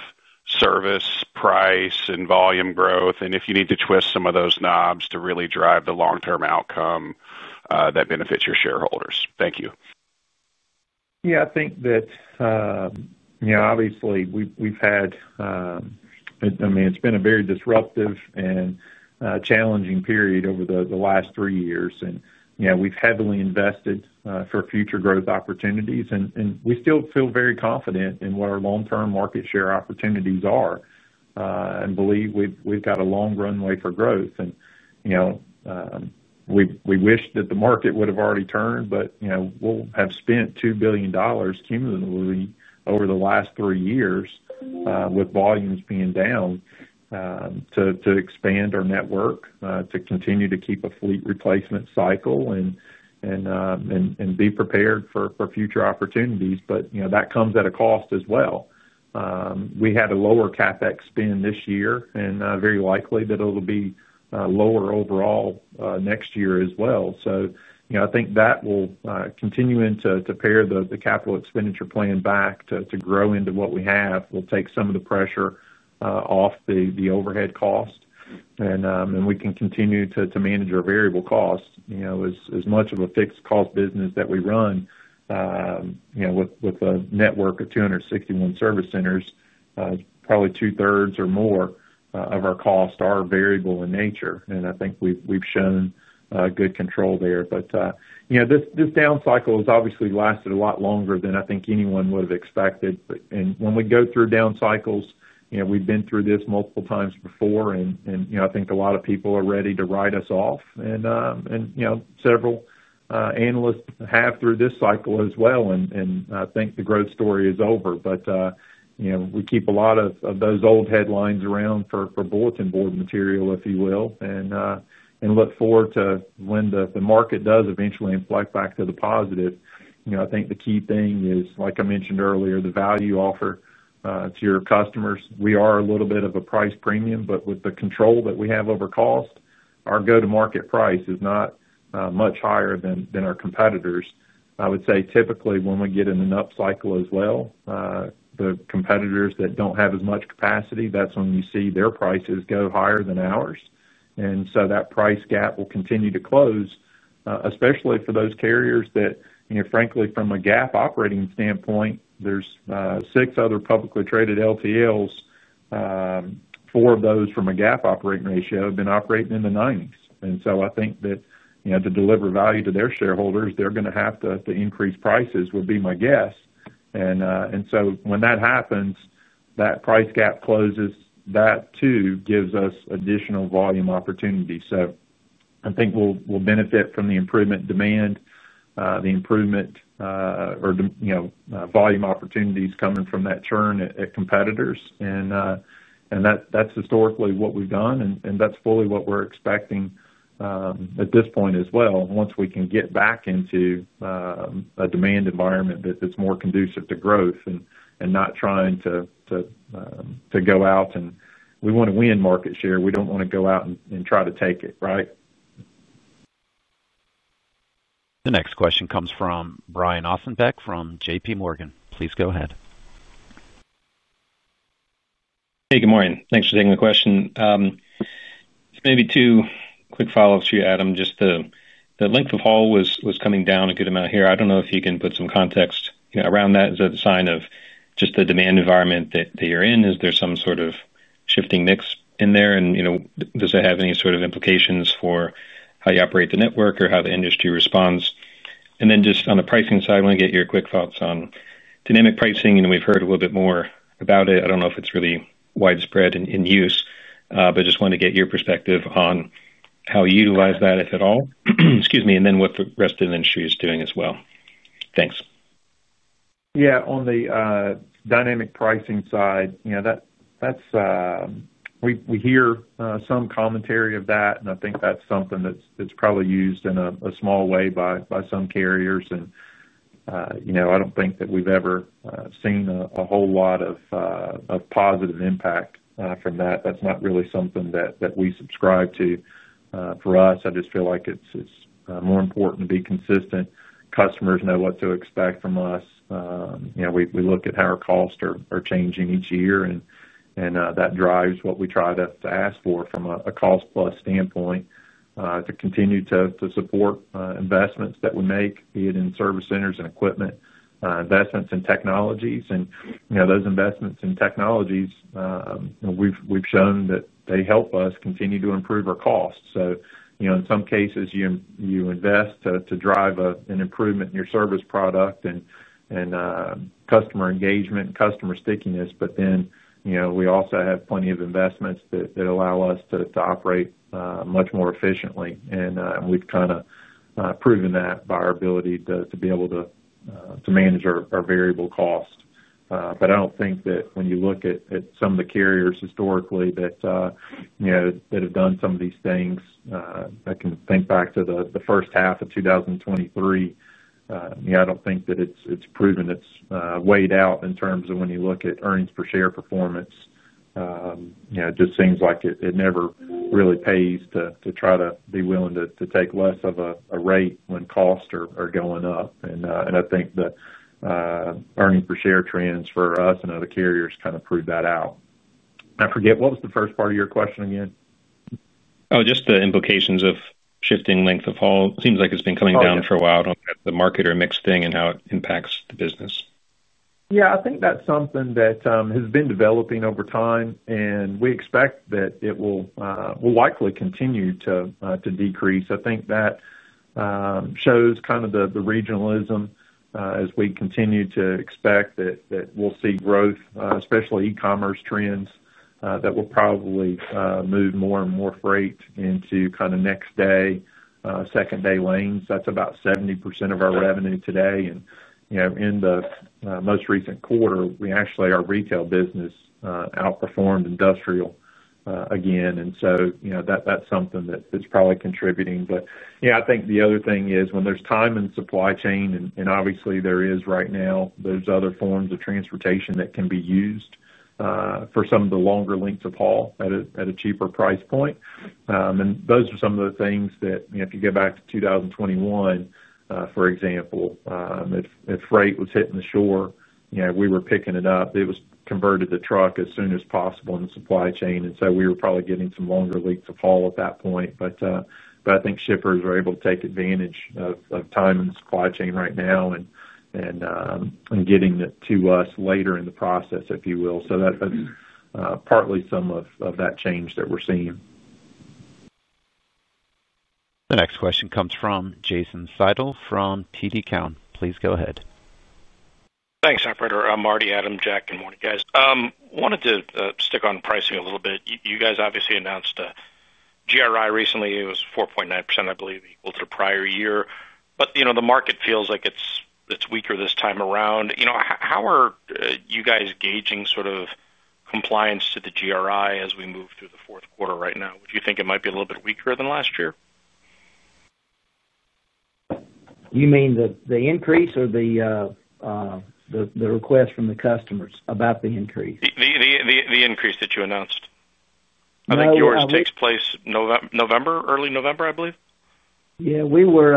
service, price, and volume growth, and if you need to twist some of those knobs to really drive the long-term outcome that benefits your shareholders? Thank you. Yeah, I think that, you know, obviously, we've had, I mean, it's been a very disruptive and challenging period over the last three years. We've heavily invested for future growth opportunities, and we still feel very confident in what our long-term market share opportunities are and believe we've got a long runway for growth. We wish that the market would have already turned, but we'll have spent $2 billion cumulatively over the last three years with volumes being down to expand our network, to continue to keep a fleet replacement cycle, and be prepared for future opportunities. That comes at a cost as well. We had a lower CapEx spend this year, and very likely that it'll be lower overall next year as well. I think that will continue to pair the capital expenditure plan back to grow into what we have. We'll take some of the pressure off the overhead cost, and we can continue to manage our variable costs. As much of a fixed cost business that we run, with a network of 261 service centers, probably two-thirds or more of our costs are variable in nature. I think we've shown good control there. This down cycle has obviously lasted a lot longer than I think anyone would have expected. When we go through down cycles, we've been through this multiple times before. I think a lot of people are ready to write us off, and several analysts have through this cycle as well. I think the growth story is over, but we keep a lot of those old headlines around for bulletin board material, if you will, and look forward to when the market does eventually inflect back to the positive. I think the key thing is, like I mentioned earlier, the value you offer to your customers. We are a little bit of a price premium, but with the control that we have over cost, our go-to-market price is not much higher than our competitors. I would say typically when we get in an up cycle as well, the competitors that don't have as much capacity, that's when you see their prices go higher than ours, and that price gap will continue to close, especially for those carriers that, frankly, from a GAAP operating standpoint, there's six other publicly traded LTLs. Four of those from a GAAP operating ratio have been operating in the 90s. I think that, you know, to deliver value to their shareholders, they're going to have to increase prices would be my guess. When that happens, that price gap closes, that too gives us additional volume opportunities. I think we'll benefit from the improvement in demand, the improvement or, you know, volume opportunities coming from that churn at competitors. That's historically what we've done. That's fully what we're expecting at this point as well, once we can get back into a demand environment that's more conducive to growth and not trying to go out. We want to win market share. We don't want to go out and try to take it, right? The next question comes from Brian Ossenbeck from JPMorgan. Please go ahead. Hey, good morning. Thanks for taking the question. Maybe two quick follow-ups for you, Adam. Just the length of haul was coming down a good amount here. I don't know if you can put some context around that. Is that a sign of just the demand environment that you're in? Is there some sort of shifting mix in there? Does it have any sort of implications for how you operate the network or how the industry responds? Just on the pricing side, I want to get your quick thoughts on dynamic pricing. We've heard a little bit more about it. I don't know if it's really widespread in use, but I just wanted to get your perspective on how you utilize that, if at all, excuse me, and what the rest of the industry is doing as well? Thanks. Yeah, on the dynamic pricing side, we hear some commentary of that. I think that's something that's probably used in a small way by some carriers. I don't think that we've ever seen a whole lot of positive impact from that. That's not really something that we subscribe to. For us, I just feel like it's more important to be consistent. Customers know what to expect from us. We look at how our costs are changing each year, and that drives what we try to ask for from a cost-plus standpoint to continue to support investments that we make, be it in service centers and equipment, investments in technologies. Those investments in technologies, we've shown that they help us continue to improve our costs. In some cases, you invest to drive an improvement in your service product and customer engagement and customer stickiness. We also have plenty of investments that allow us to operate much more efficiently. We've kind of proven that by our ability to be able to manage our variable costs. I don't think that when you look at some of the carriers historically that have done some of these things, I can think back to the first half of 2023. I don't think that it's proven it's weighed out in terms of when you look at earnings per share performance. It just seems like it never really pays to try to be willing to take less of a rate when costs are going up. I think the earnings per share trends for us and other carriers kind of prove that out. I forget, what was the first part of your question again? Oh, just the implications of shifting length of haul. It seems like it's been coming down for a while on the market or mix thing, and how it impacts the business. Yeah, I think that's something that has been developing over time. We expect that it will likely continue to decrease. I think that shows kind of the regionalism as we continue to expect that we'll see growth, especially e-commerce trends that will probably move more and more freight into kind of next day, second day lanes. That's about 70% of our revenue today. In the most recent quarter, we actually, our retail business outperformed industrial again. That's something that's probably contributing. I think the other thing is when there's time in supply chain, and obviously there is right now, there are other forms of transportation that can be used for some of the longer lengths of haul at a cheaper price point. Those are some of the things that, if you go back to 2021, for example, if freight was hitting the shore, we were picking it up. It was converted to truck as soon as possible in the supply chain. We were probably getting some longer lengths of haul at that point. I think shippers are able to take advantage of time in the supply chain right now and getting it to us later in the process, if you will. That's partly some of that change that we're seeing. The next question comes from Jason Seidl from TD Cowen. Please go ahead. Thanks, operator and Marty, Adam, Jack. Good morning, guys. I wanted to stick on pricing a little bit. You guys obviously announced a GRI recently. It was 4.9%, I believe, equal to the prior year. The market feels like it's weaker this time around. How are you guys gauging sort of compliance to the GRI as we move through the fourth quarter right now? Would you think it might be a little bit weaker than last year? You mean the increase or the request from the customers about the increase? The increase that you announced, I think yours takes place in November, early November, I believe? Yeah, we were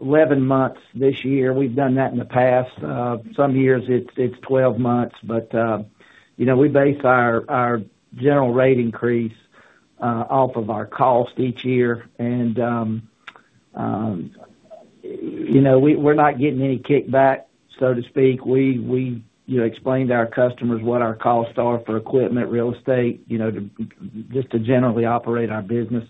11 months this year. We've done that in the past. Some years, it's 12 months. You know, we base our general rate increase off of our cost each year. We're not getting any kickback, so to speak. We explained to our customers what our costs are for equipment, real estate, you know, just to generally operate our business.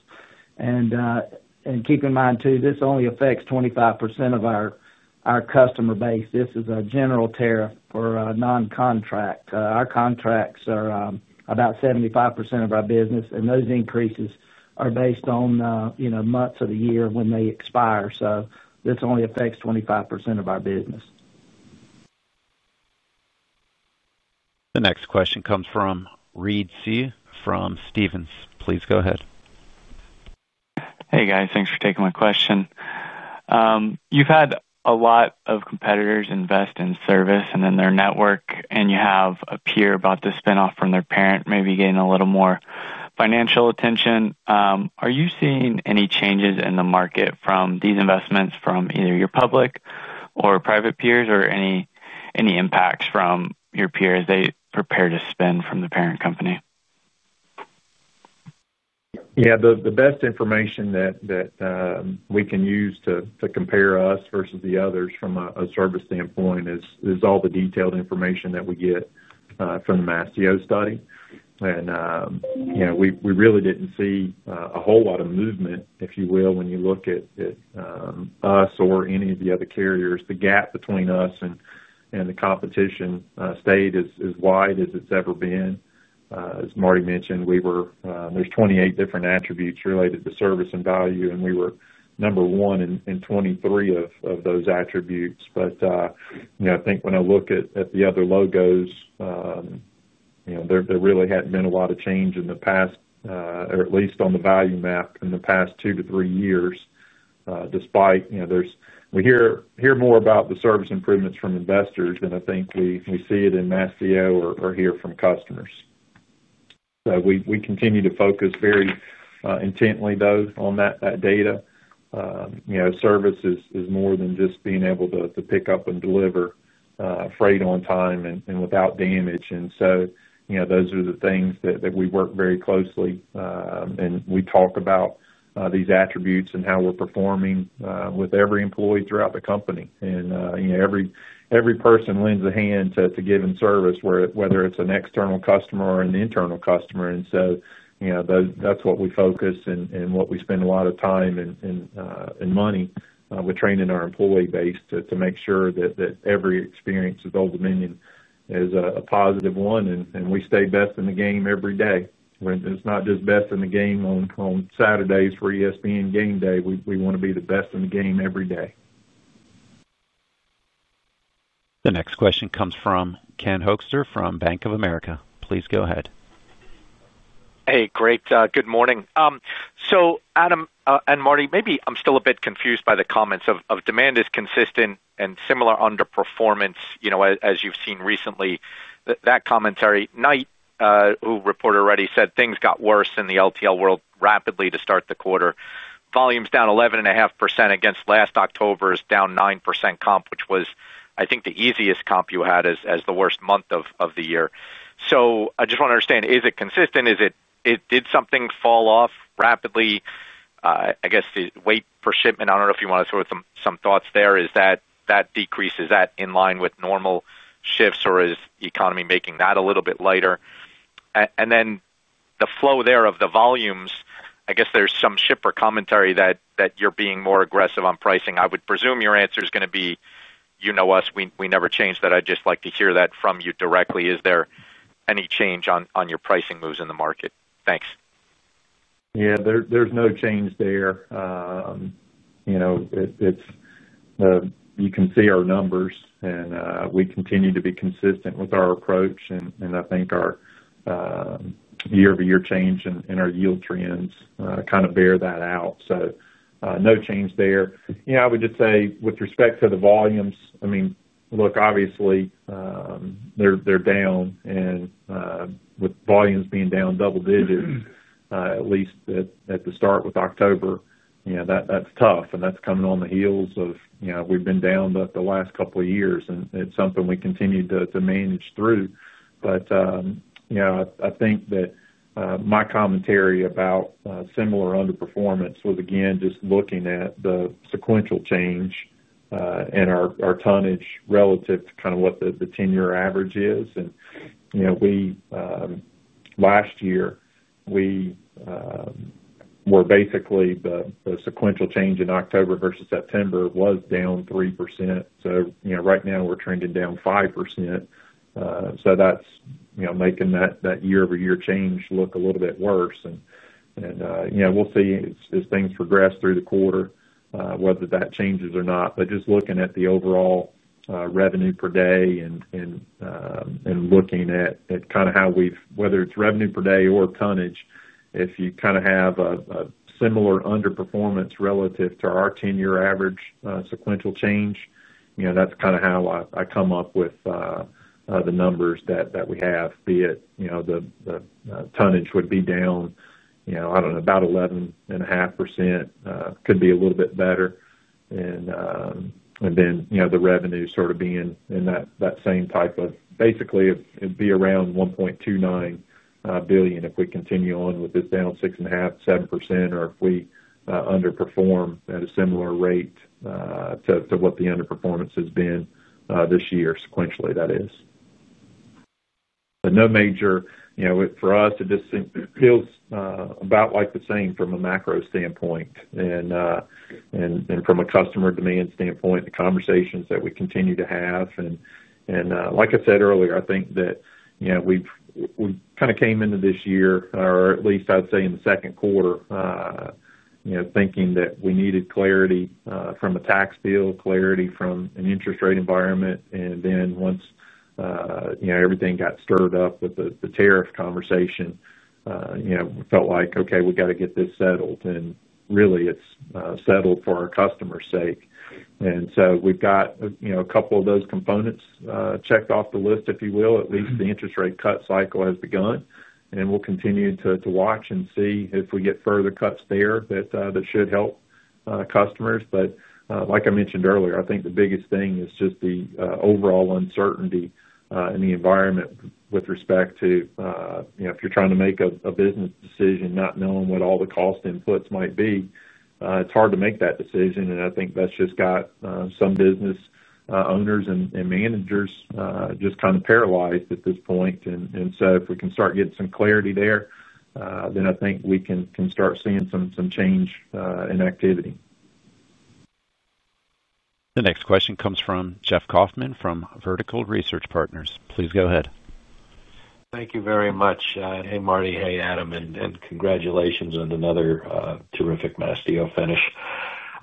Keep in mind, too, this only affects 25% of our customer base. This is a general tariff for a non-contract. Our contracts are about 75% of our business, and those increases are based on, you know, months of the year when they expire. This only affects 25% of our business. The next question comes from Reed Seay from Stephens. Please go ahead. Hey guys, thanks for taking my question. You've had a lot of competitors invest in service and in their network, and you have a peer about to spin off from their parent, maybe getting a little more financial attention. Are you seeing any changes in the market from these investments from either your public or private peers, or any impacts from your peers as they prepare to spin from the parent company? Yeah, the best information that we can use to compare us versus the others from a service standpoint is all the detailed information that we get from the Mastio study. We really didn't see a whole lot of movement, if you will, when you look at us or any of the other carriers. The gap between us and the competition stayed as wide as it's ever been. As Marty mentioned, there's 28 different attributes related to service and value, and we were number one in 23 of those attributes. When I look at the other logos, there really hadn't been a lot of change in the past, or at least on the value map in the past two to three years, despite we hear more about the service improvements from investors than I think we see it in Mastio or hear from customers. We continue to focus very intently, though, on that data. Service is more than just being able to pick up and deliver freight on time and without damage. Those are the things that we work very closely. We talk about these attributes and how we're performing with every employee throughout the company. Every person lends a hand to giving service, whether it's an external customer or an internal customer. That's what we focus and what we spend a lot of time and money with training our employee base to make sure that every experience with Old Dominion is a positive one. We stay best in the game every day. It's not just best in the game on Saturdays for ESPN game day. We want to be the best in the game every day. The next question comes from Ken Hoexter from Bank of America. Please go ahead. Hey, great. Good morning. Adam and Marty, maybe I'm still a bit confused by the comments of demand is consistent and similar underperformance, you know, as you've seen recently. That commentary, Knight, who reported already, said things got worse in the LTL world rapidly to start the quarter. Volumes down 11.5% against last October's down 9% comp, which was, I think, the easiest comp you had as the worst month of the year. I just want to understand, is it consistent? Did something fall off rapidly? I guess the weight per shipment, I don't know if you want to throw some thoughts there, is that decrease, is that in line with normal shifts or is the economy making that a little bit lighter? The flow there of the volumes, I guess there's some shipper commentary that you're being more aggressive on pricing. I would presume your answer is going to be, you know us, we never change that. I'd just like to hear that from you directly. Is there any change on your pricing moves in the market? Thanks. Yeah, there's no change there. You can see our numbers and we continue to be consistent with our approach. I think our year-over-year change and our yield trends kind of bear that out. No change there. I would just say with respect to the volumes, obviously, they're down. With volumes being down double digits, at least at the start with October, that's tough. That's coming on the heels of being down the last couple of years. It's something we continue to manage through. I think that my commentary about similar underperformance was, again, just looking at the sequential change in our tonnage relative to what the 10-year average is. Last year, the sequential change in October versus September was down 3%. Right now we're trending down 5%. That's making that year-over-year change look a little bit worse. We'll see as things progress through the quarter whether that changes or not. Just looking at the overall revenue per day and looking at how we've, whether it's revenue per day or tonnage, if you have a similar underperformance relative to our 10-year average sequential change, that's kind of how I come up with the numbers that we have, be it the tonnage would be down, I don't know, about 11.5%. It could be a little bit better. The revenue sort of being in that same type of, basically, it'd be around $1.29 billion if we continue on with this down 6.5%-7% or if we underperform at a similar rate to what the underperformance has been this year, sequentially, that is. No major, for us, it just feels about like the same from a macro standpoint and from a customer demand standpoint, the conversations that we continue to have. Like I said earlier, I think that we kind of came into this year, or at least I'd say in the second quarter, thinking that we needed clarity from a tax bill, clarity from an interest rate environment. Once everything got stirred up with the tariff conversation, we felt like, okay, we got to get this settled. Really, it's settled for our customer's sake. We've got a couple of those components checked off the list, if you will. At least the interest rate cut cycle has begun. We will continue to watch and see if we get further cuts there that should help customers. Like I mentioned earlier, I think the biggest thing is just the overall uncertainty in the environment with respect to, you know, if you're trying to make a business decision not knowing what all the cost inputs might be, it's hard to make that decision. I think that's just got some business owners and managers just kind of paralyzed at this point. If we can start getting some clarity there, then I think we can start seeing some change in activity. The next question comes from Jeff Kauffman from Vertical Research Partners. Please go ahead. Thank you very much. Hey Marty, hey Adam, and congratulations on another terrific Mastio finish.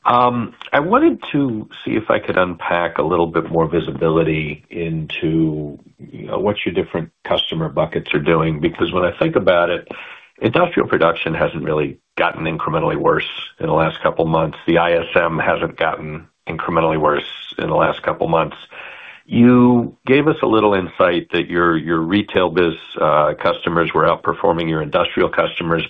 I wanted to see if I could unpack a little bit more visibility into, you know, what your different customer buckets are doing. Because when I think about it, industrial production hasn't really gotten incrementally worse in the last couple of months. The ISM hasn't gotten incrementally worse in the last couple of months. You gave us a little insight that your retail business customers were outperforming your industrial customers.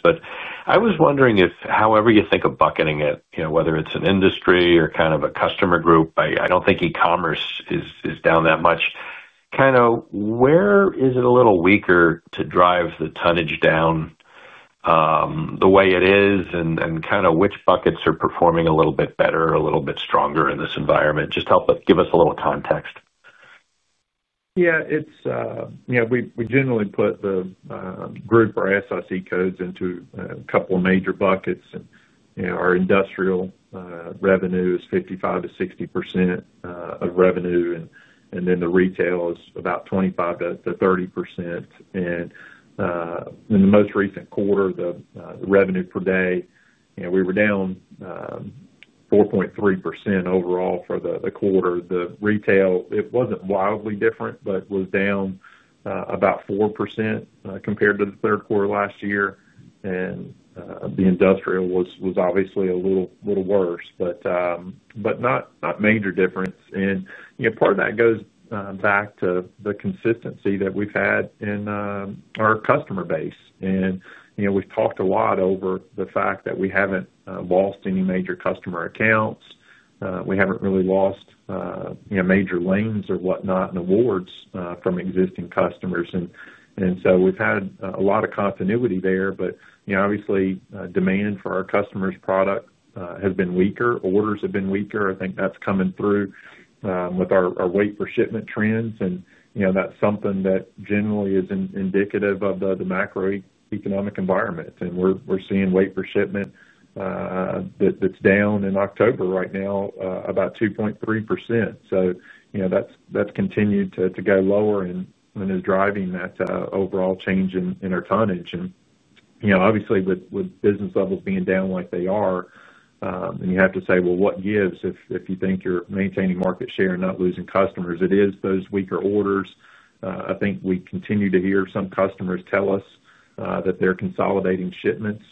I was wondering if however you think of bucketing it, you know, whether it's an industry or kind of a customer group, I don't think e-commerce is down that much. Kind of where is it a little weaker to drive the tonnage down the way it is and kind of which buckets are performing a little bit better or a little bit stronger in this environment? Just help us give us a little context. Yeah, we generally put the group or SIC codes into a couple of major buckets. Our industrial revenue is 55%-60% of revenue, and the retail is about 25%-30%. In the most recent quarter, the revenue per day, we were down 4.3% overall for the quarter. The retail, it wasn't wildly different, but was down about 4% compared to the third quarter last year. The industrial was obviously a little worse, but not a major difference. Part of that goes back to the consistency that we've had in our customer base. We've talked a lot over the fact that we haven't lost any major customer accounts. We haven't really lost major lanes or whatnot and awards from existing customers. We've had a lot of continuity there. Obviously, demand for our customers' product has been weaker. Orders have been weaker. I think that's coming through with our wait for shipment trends. That's something that generally is indicative of the macroeconomic environment. We're seeing wait for shipment that's down in October right now about 2.3%. That's continued to go lower and is driving that overall change in our tonnage. Obviously, with business levels being down like they are, you have to say, what gives if you think you're maintaining market share and not losing customers? It is those weaker orders. I think we continue to hear some customers tell us that they're consolidating shipments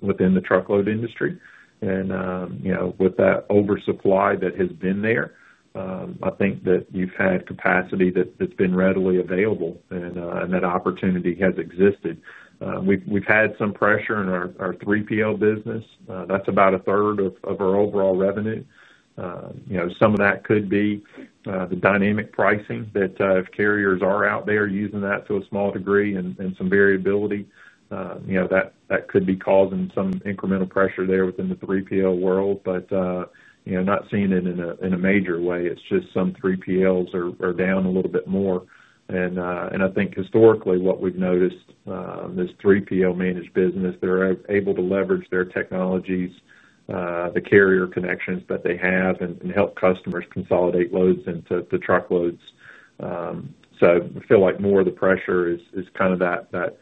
within the truckload industry. With that oversupply that has been there, I think that you've had capacity that's been readily available and that opportunity has existed. We've had some pressure in our 3PL business. That's about a third of our overall revenue. Some of that could be the dynamic pricing that carriers are out there using that to a small degree and some variability. That could be causing some incremental pressure there within the 3PL world. Not seeing it in a major way. It's just some 3PLs are down a little bit more. I think historically what we've noticed is 3PL managed business, they're able to leverage their technologies, the carrier connections that they have, and help customers consolidate loads into truckloads. I feel like more of the pressure is kind of that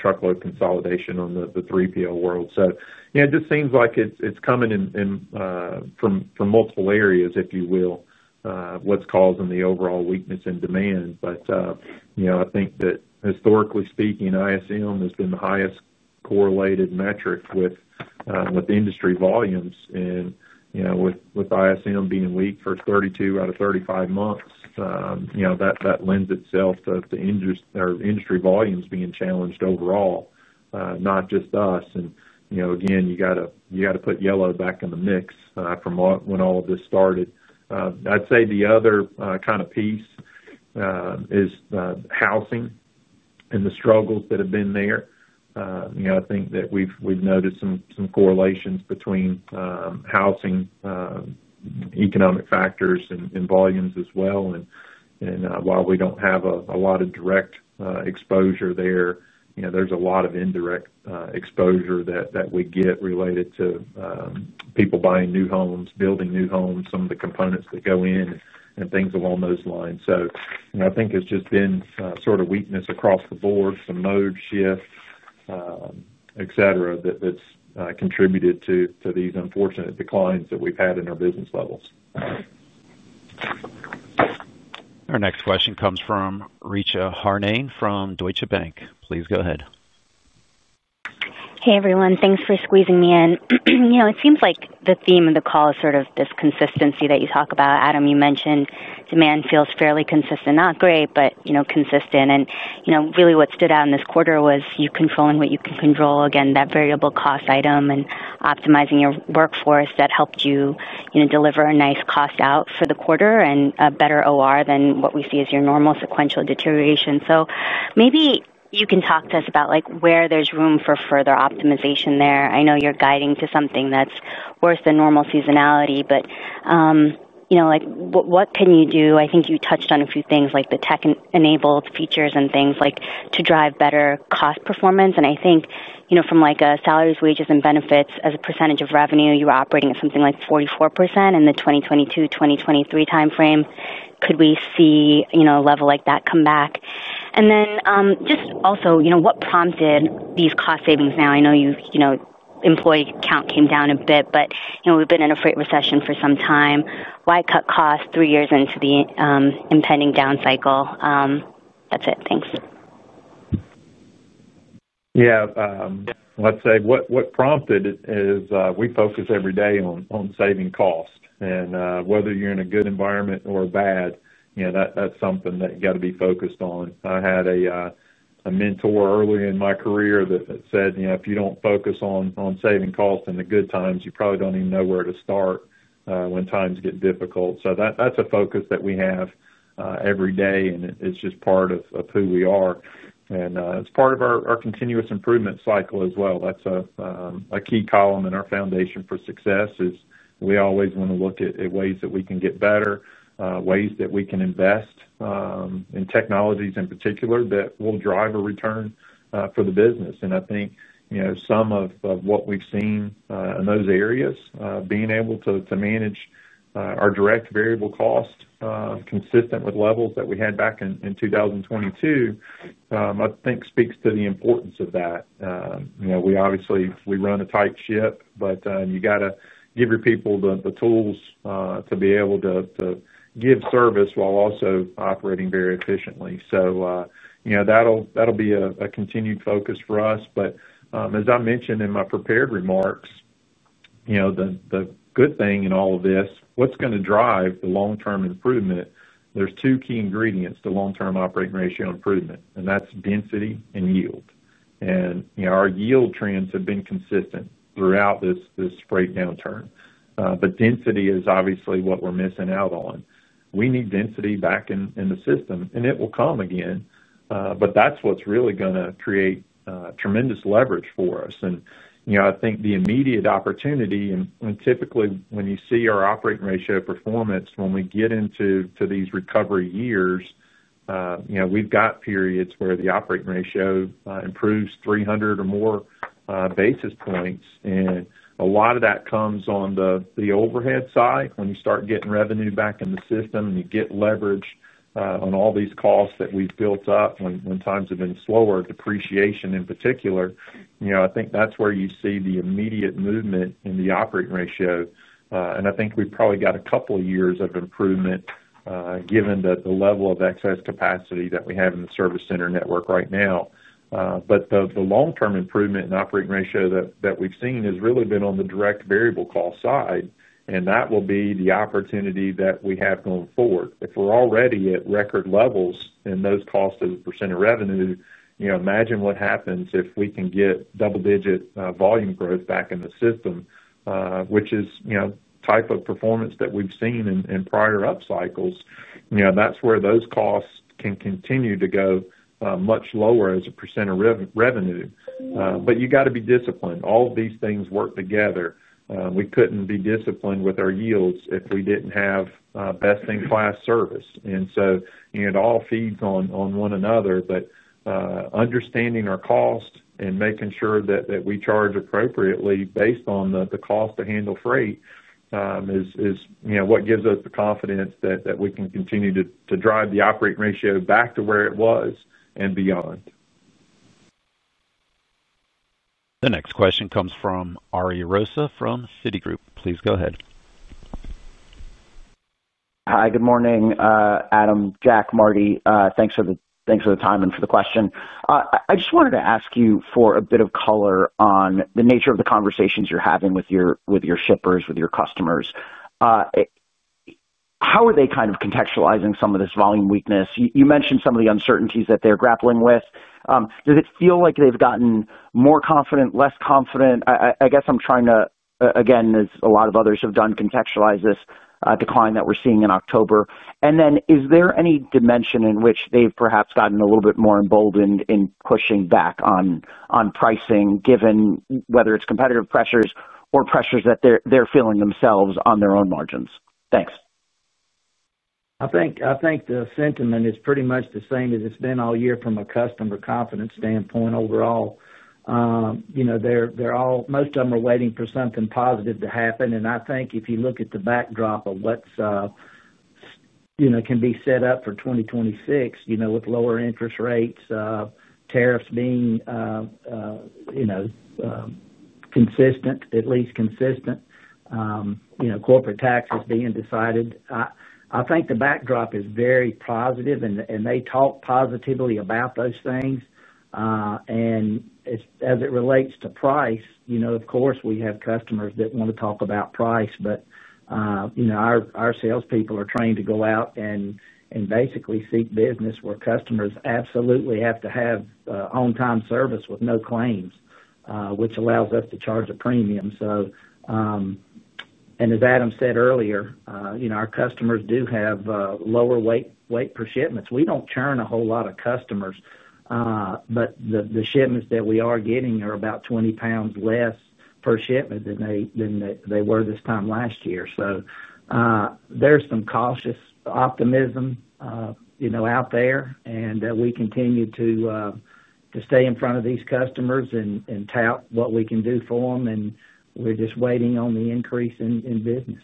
truckload consolidation on the 3PL world. It just seems like it's coming in from multiple areas, if you will, what's causing the overall weakness in demand. I think that historically speaking, ISM has been the highest correlated metric with the industry volumes. With ISM being weak for 32 out of 35 months, that lends itself to our industry volumes being challenged overall, not just us. You got to put Yellow back in the mix from when all of this started. I'd say the other kind of piece is housing and the struggles that have been there. I think that we've noticed some correlations between housing, economic factors, and volumes as well. While we don't have a lot of direct exposure there, there's a lot of indirect exposure that we get related to people buying new homes, building new homes, some of the components that go in, and things along those lines. I think it's just been sort of weakness across the board, some mode shift, et cetera, that's contributed to these unfortunate declines that we've had in our business levels. Our next question comes from Richa Harnain from Deutsche Bank. Please go ahead. Hey everyone, thanks for squeezing me in. It seems like the theme of the call is sort of this consistency that you talk about. Adam, you mentioned demand feels fairly consistent, not great, but consistent. What stood out in this quarter was you controlling what you can control, that variable cost item and optimizing your workforce that helped you deliver a nice cost out for the quarter and a better OR than what we see as your normal sequential deterioration. Maybe you can talk to us about where there's room for further optimization there. I know you're guiding to something that's worth the normal seasonality, but what can you do? I think you touched on a few things like the tech-enabled features and things like to drive better cost performance. I think, from like a salaries, wages, and benefits as a percentage of revenue, you were operating at something like 44% in the 2022-2023 timeframe. Could we see a level like that come back? Also, what prompted these cost savings now? I know employee count came down a bit, but we've been in a freight recession for some time. Why cut costs three years into the impending down cycle? That's it. Thanks. Yeah, I'd say what prompted it is we focus every day on saving costs. Whether you're in a good environment or bad, you know, that's something that you got to be focused on. I had a mentor early in my career that said, you know, if you don't focus on saving costs in the good times, you probably don't even know where to start when times get difficult. That's a focus that we have every day, and it's just part of who we are. It's part of our continuous improvement cycle as well. That's a key column in our foundation for success, as we always want to look at ways that we can get better, ways that we can invest in technologies in particular that will drive a return for the business. I think, you know, some of what we've seen in those areas, being able to manage our direct variable cost consistent with levels that we had back in 2022, I think speaks to the importance of that. We obviously run a tight ship, but you got to give your people the tools to be able to give service while also operating very efficiently. That'll be a continued focus for us. As I mentioned in my prepared remarks, the good thing in all of this, what's going to drive the long-term improvement, there's two key ingredients to long-term operating ratio improvement, and that's density and yield. Our yield trends have been consistent throughout this freight downturn. Density is obviously what we're missing out on. We need density back in the system, and it will come again. That's what's really going to create tremendous leverage for us. I think the immediate opportunity, and typically when you see our operating ratio performance, when we get into these recovery years, we've got periods where the operating ratio improves 300 or more basis points. A lot of that comes. On the overhead side, when you start getting revenue back in the system and you get leverage on all these costs that we've built up when times have been slower, depreciation in particular, I think that's where you see the immediate movement in the operating ratio. I think we've probably got a couple of years of improvement, given the level of excess capacity that we have in the service center network right now. The long-term improvement in operating ratio that we've seen has really been on the direct variable cost side, and that will be the opportunity that we have going forward. If we're already at record levels in those costs as a percent of revenue, imagine what happens if we can get double-digit volume growth back in the system, which is the type of performance that we've seen in prior up cycles. That's where those costs can continue to go much lower as a percent of revenue. You've got to be disciplined. All of these things work together. We couldn't be disciplined with our yields if we didn't have best-in-class service. It all feeds on one another, but understanding our cost and making sure that we charge appropriately based on the cost to handle freight is what gives us the confidence that we can continue to drive the operating ratio back to where it was and beyond. The next question comes from Ari Rosa from Citigroup. Please go ahead. Hi, good morning, Adam, Jack, Marty. Thanks for the time and for the question. I just wanted to ask you for a bit of color on the nature of the conversations you're having with your shippers, with your customers. How are they kind of contextualizing some of this volume weakness? You mentioned some of the uncertainties that they're grappling with. Does it feel like they've gotten more confident, less confident? I guess I'm trying to, as a lot of others have done, contextualize this decline that we're seeing in October. Is there any dimension in which they've perhaps gotten a little bit more emboldened in pushing back on pricing, given whether it's competitive pressures or pressures that they're feeling themselves on their own margins? Thanks. I think the sentiment is pretty much the same as it's been all year from a customer confidence standpoint overall. Most of them are waiting for something positive to happen. I think if you look at the backdrop of what can be set up for 2026, with lower interest rates, tariffs being consistent, at least consistent, corporate taxes being decided, I think the backdrop is very positive, and they talk positively about those things. As it relates to price, of course, we have customers that want to talk about price, but our salespeople are trained to go out and basically seek business where customers absolutely have to have on-time service with no claims, which allows us to charge a premium. As Adam said earlier, our customers do have lower weight per shipments. We don't churn a whole lot of customers, but the shipments that we are getting are about 20 lbs less per shipment than they were this time last year. There's some cautious optimism out there, and we continue to stay in front of these customers and tap what we can do for them. We're just waiting on the increase in business.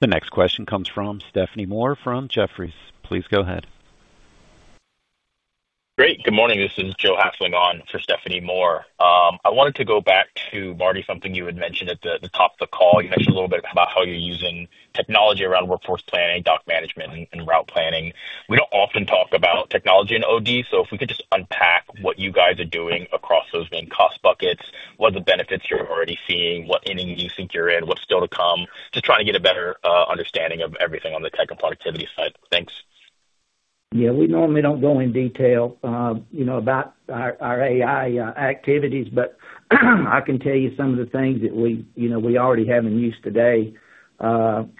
The next question comes from Stephanie Moore from Jefferies. Please go ahead. Great. Good morning. This is Jo Hafling on for Stephanie Moore. I wanted to go back to, Marty, something you had mentioned at the top of the call. You mentioned a little bit about how you're using technology around workforce planning, dock management, and route planning. We don't often talk about technology in OD, so if we could just unpack what you guys are doing across those main cost buckets, what are the benefits you're already seeing, what ending do you think you're in, what's still to come, just trying to get a better understanding of everything on the tech and productivity side? Thanks. Yeah, we normally don't go in detail about our AI activities, but I can tell you some of the things that we already have in use today.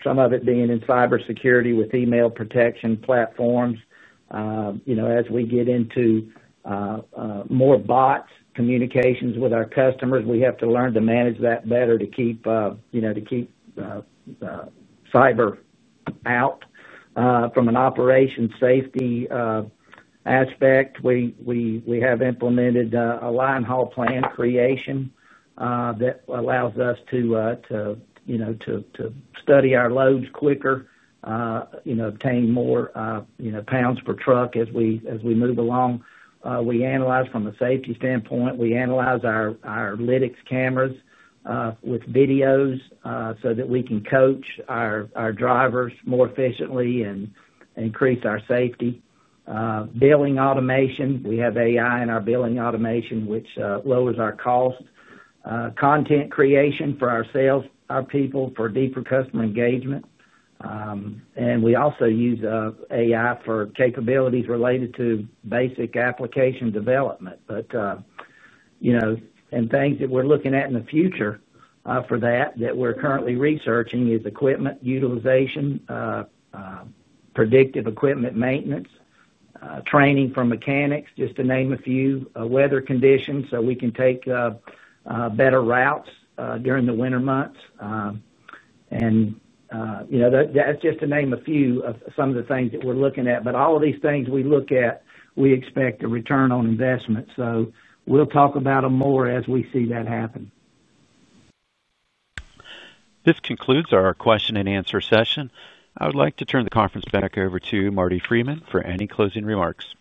Some of it is in cybersecurity with email protection platforms. As we get into more bot communications with our customers, we have to learn to manage that better to keep cyber out. From an operation safety aspect, we have implemented a line haul plan creation that allows us to study our loads quicker and obtain more pounds per truck as we move along. We analyze from a safety standpoint. We analyze our Lytx cameras with videos so that we can coach our drivers more efficiently and increase our safety. Billing automation, we have AI in our billing automation, which lowers our cost. Content creation for our sales, our people for deeper customer engagement. We also use AI for capabilities related to basic application development. Things that we're looking at in the future that we're currently researching are equipment utilization, predictive equipment maintenance, training for mechanics, just to name a few, and weather conditions so we can take better routes during the winter months. That's just to name a few of some of the things that we're looking at. All of these things we look at, we expect a return on investment. We will talk about them more as we see that happen. This concludes our question and answer session. I would like to turn the conference back over to Marty Freeman for any closing remarks.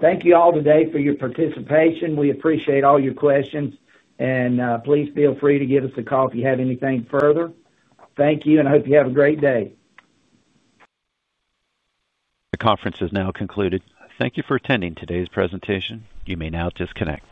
Thank you all today for your participation. We appreciate all your questions. Please feel free to give us a call if you have anything further. Thank you, and I hope you have a great day. The conference is now concluded. Thank you for attending today's presentation. You may now disconnect.